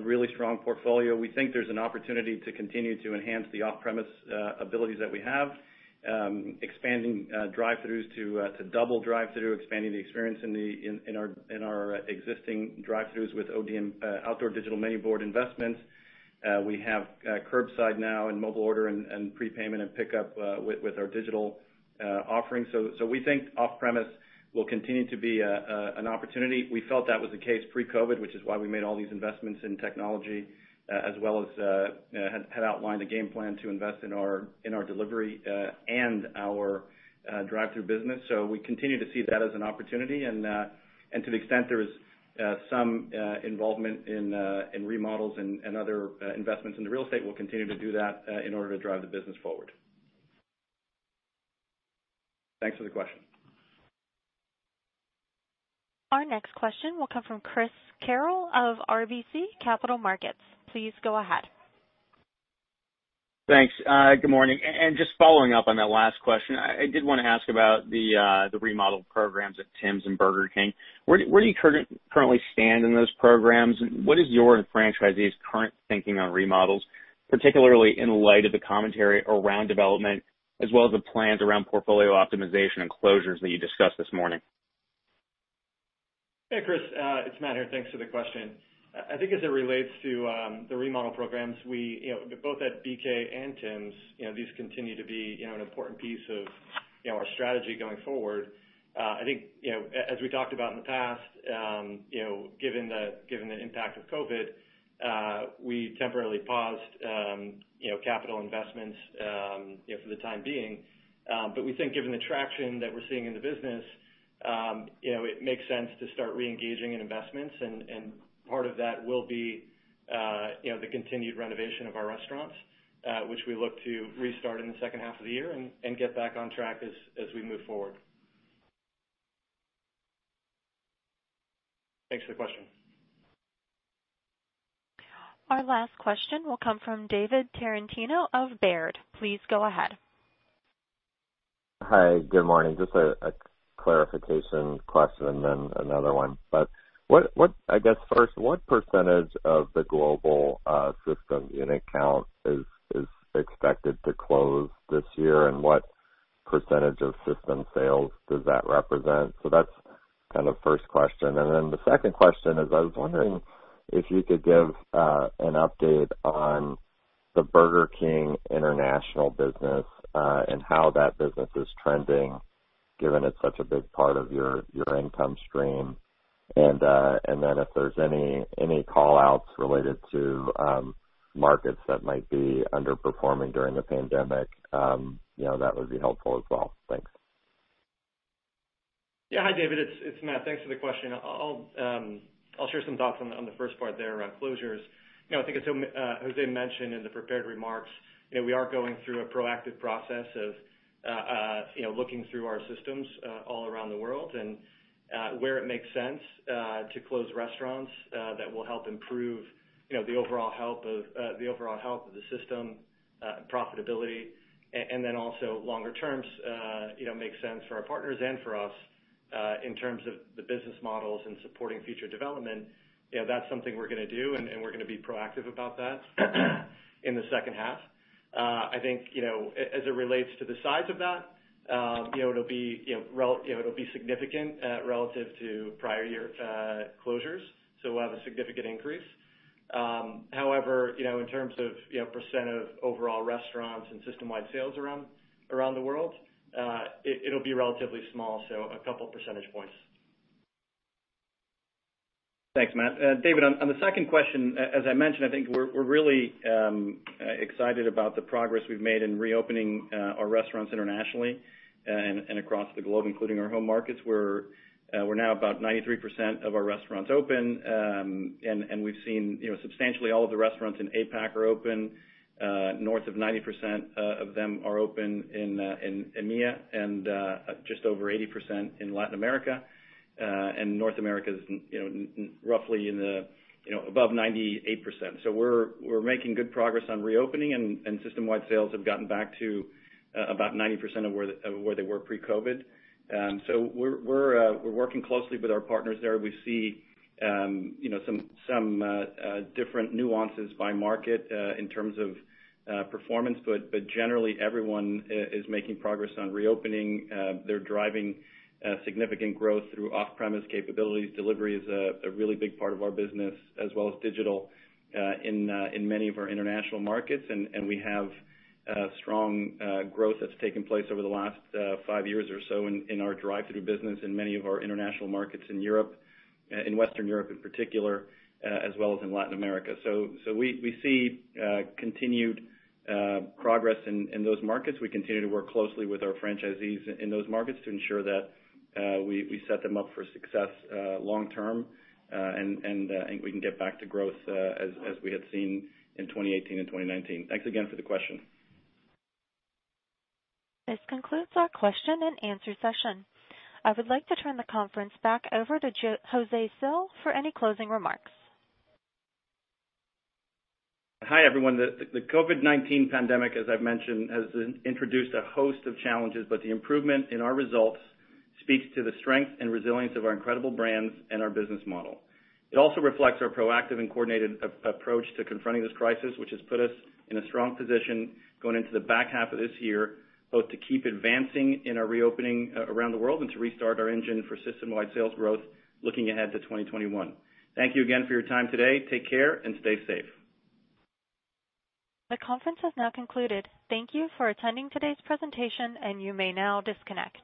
really strong portfolio. We think there's an opportunity to continue to enhance the off-premise abilities that we have, expanding drive-throughs to double drive-through, expanding the experience in our existing drive-throughs with ODM, outdoor digital menu board investments. We have curbside now and mobile order and prepayment and pickup with our digital offerings. We think off-premise will continue to be an opportunity. We felt that was the case pre-COVID, which is why we made all these investments in technology, as well as had outlined a game plan to invest in our delivery and our drive-through business. We continue to see that as an opportunity, and to the extent there is some involvement in remodels and other investments in the real estate, we'll continue to do that in order to drive the business forward. Thanks for the question. Our next question will come from Chris Carril of RBC Capital Markets. Please go ahead. Thanks. Good morning. Just following up on that last question, I did want to ask about the remodel programs at Tims and Burger King. Where do you currently stand in those programs? What is your and franchisees' current thinking on remodels, particularly in light of the commentary around development as well as the plans around portfolio optimization and closures that you discussed this morning? Hey, Chris, it's Matt here. Thanks for the question. I think as it relates to the remodel programs, both at BK and Tims, these continue to be an important piece of our strategy going forward. I think, as we talked about in the past, given the impact of COVID, we temporarily paused capital investments for the time being. We think given the traction that we're seeing in the business, it makes sense to start re-engaging in investments, and part of that will be the continued renovation of our restaurants, which we look to restart in the second half of the year and get back on track as we move forward. Thanks for the question. Our last question will come from David Tarantino of Baird. Please go ahead. Hi. Good morning. Just a clarification question and then another one. I guess first, what percentage of the global system unit count is expected to close this year, and what percentage of system sales does that represent? That's the first question. The second question is, I was wondering if you could give an update on the Burger King international business, and how that business is trending, given it's such a big part of your income stream. If there's any call-outs related to markets that might be underperforming during the pandemic, that would be helpful as well. Thanks. Yeah. Hi, David. It's Matt. Thanks for the question. I'll share some thoughts on the first part there around closures. I think as José mentioned in the prepared remarks, we are going through a proactive process of looking through our systems all around the world, and where it makes sense to close restaurants that will help improve the overall health of the system profitability, and then also longer terms, makes sense for our partners and for us, in terms of the business models and supporting future development. That's something we're going to do, and we're going to be proactive about that in the second half. I think, as it relates to the size of that, it'll be significant relative to prior year closures, so we'll have a significant increase. However, in terms of percent of overall restaurants and system-wide sales around the world, it'll be relatively small, so a couple percentage points. Thanks, Matt. David, on the second question, as I mentioned, I think we're really excited about the progress we've made in reopening our restaurants internationally and across the globe, including our home markets, where we're now about 93% of our restaurants open. We've seen substantially all of the restaurants in APAC are open. North of 90% of them are open in EMEA, and just over 80% in Latin America. North America's roughly above 98%. We're making good progress on reopening and system-wide sales have gotten back to about 90% of where they were pre-COVID. We're working closely with our partners there. We see some different nuances by market in terms of performance. Generally, everyone is making progress on reopening. They're driving significant growth through off-premise capabilities. Delivery is a really big part of our business, as well as digital, in many of our international markets, and we have strong growth that's taken place over the last five years or so in our drive-thru business in many of our international markets in Europe, in Western Europe in particular, as well as in Latin America. We see continued progress in those markets. We continue to work closely with our franchisees in those markets to ensure that we set them up for success long term, and I think we can get back to growth as we had seen in 2018 and 2019. Thanks again for the question. This concludes our question and answer session. I would like to turn the conference back over to José Cil for any closing remarks. Hi, everyone. The COVID-19 pandemic, as I've mentioned, has introduced a host of challenges, but the improvement in our results speaks to the strength and resilience of our incredible brands and our business model. It also reflects our proactive and coordinated approach to confronting this crisis, which has put us in a strong position going into the back half of this year, both to keep advancing in our reopening around the world and to restart our engine for system-wide sales growth looking ahead to 2021. Thank you again for your time today. Take care and stay safe. The conference has now concluded. Thank you for attending today's presentation, and you may now disconnect.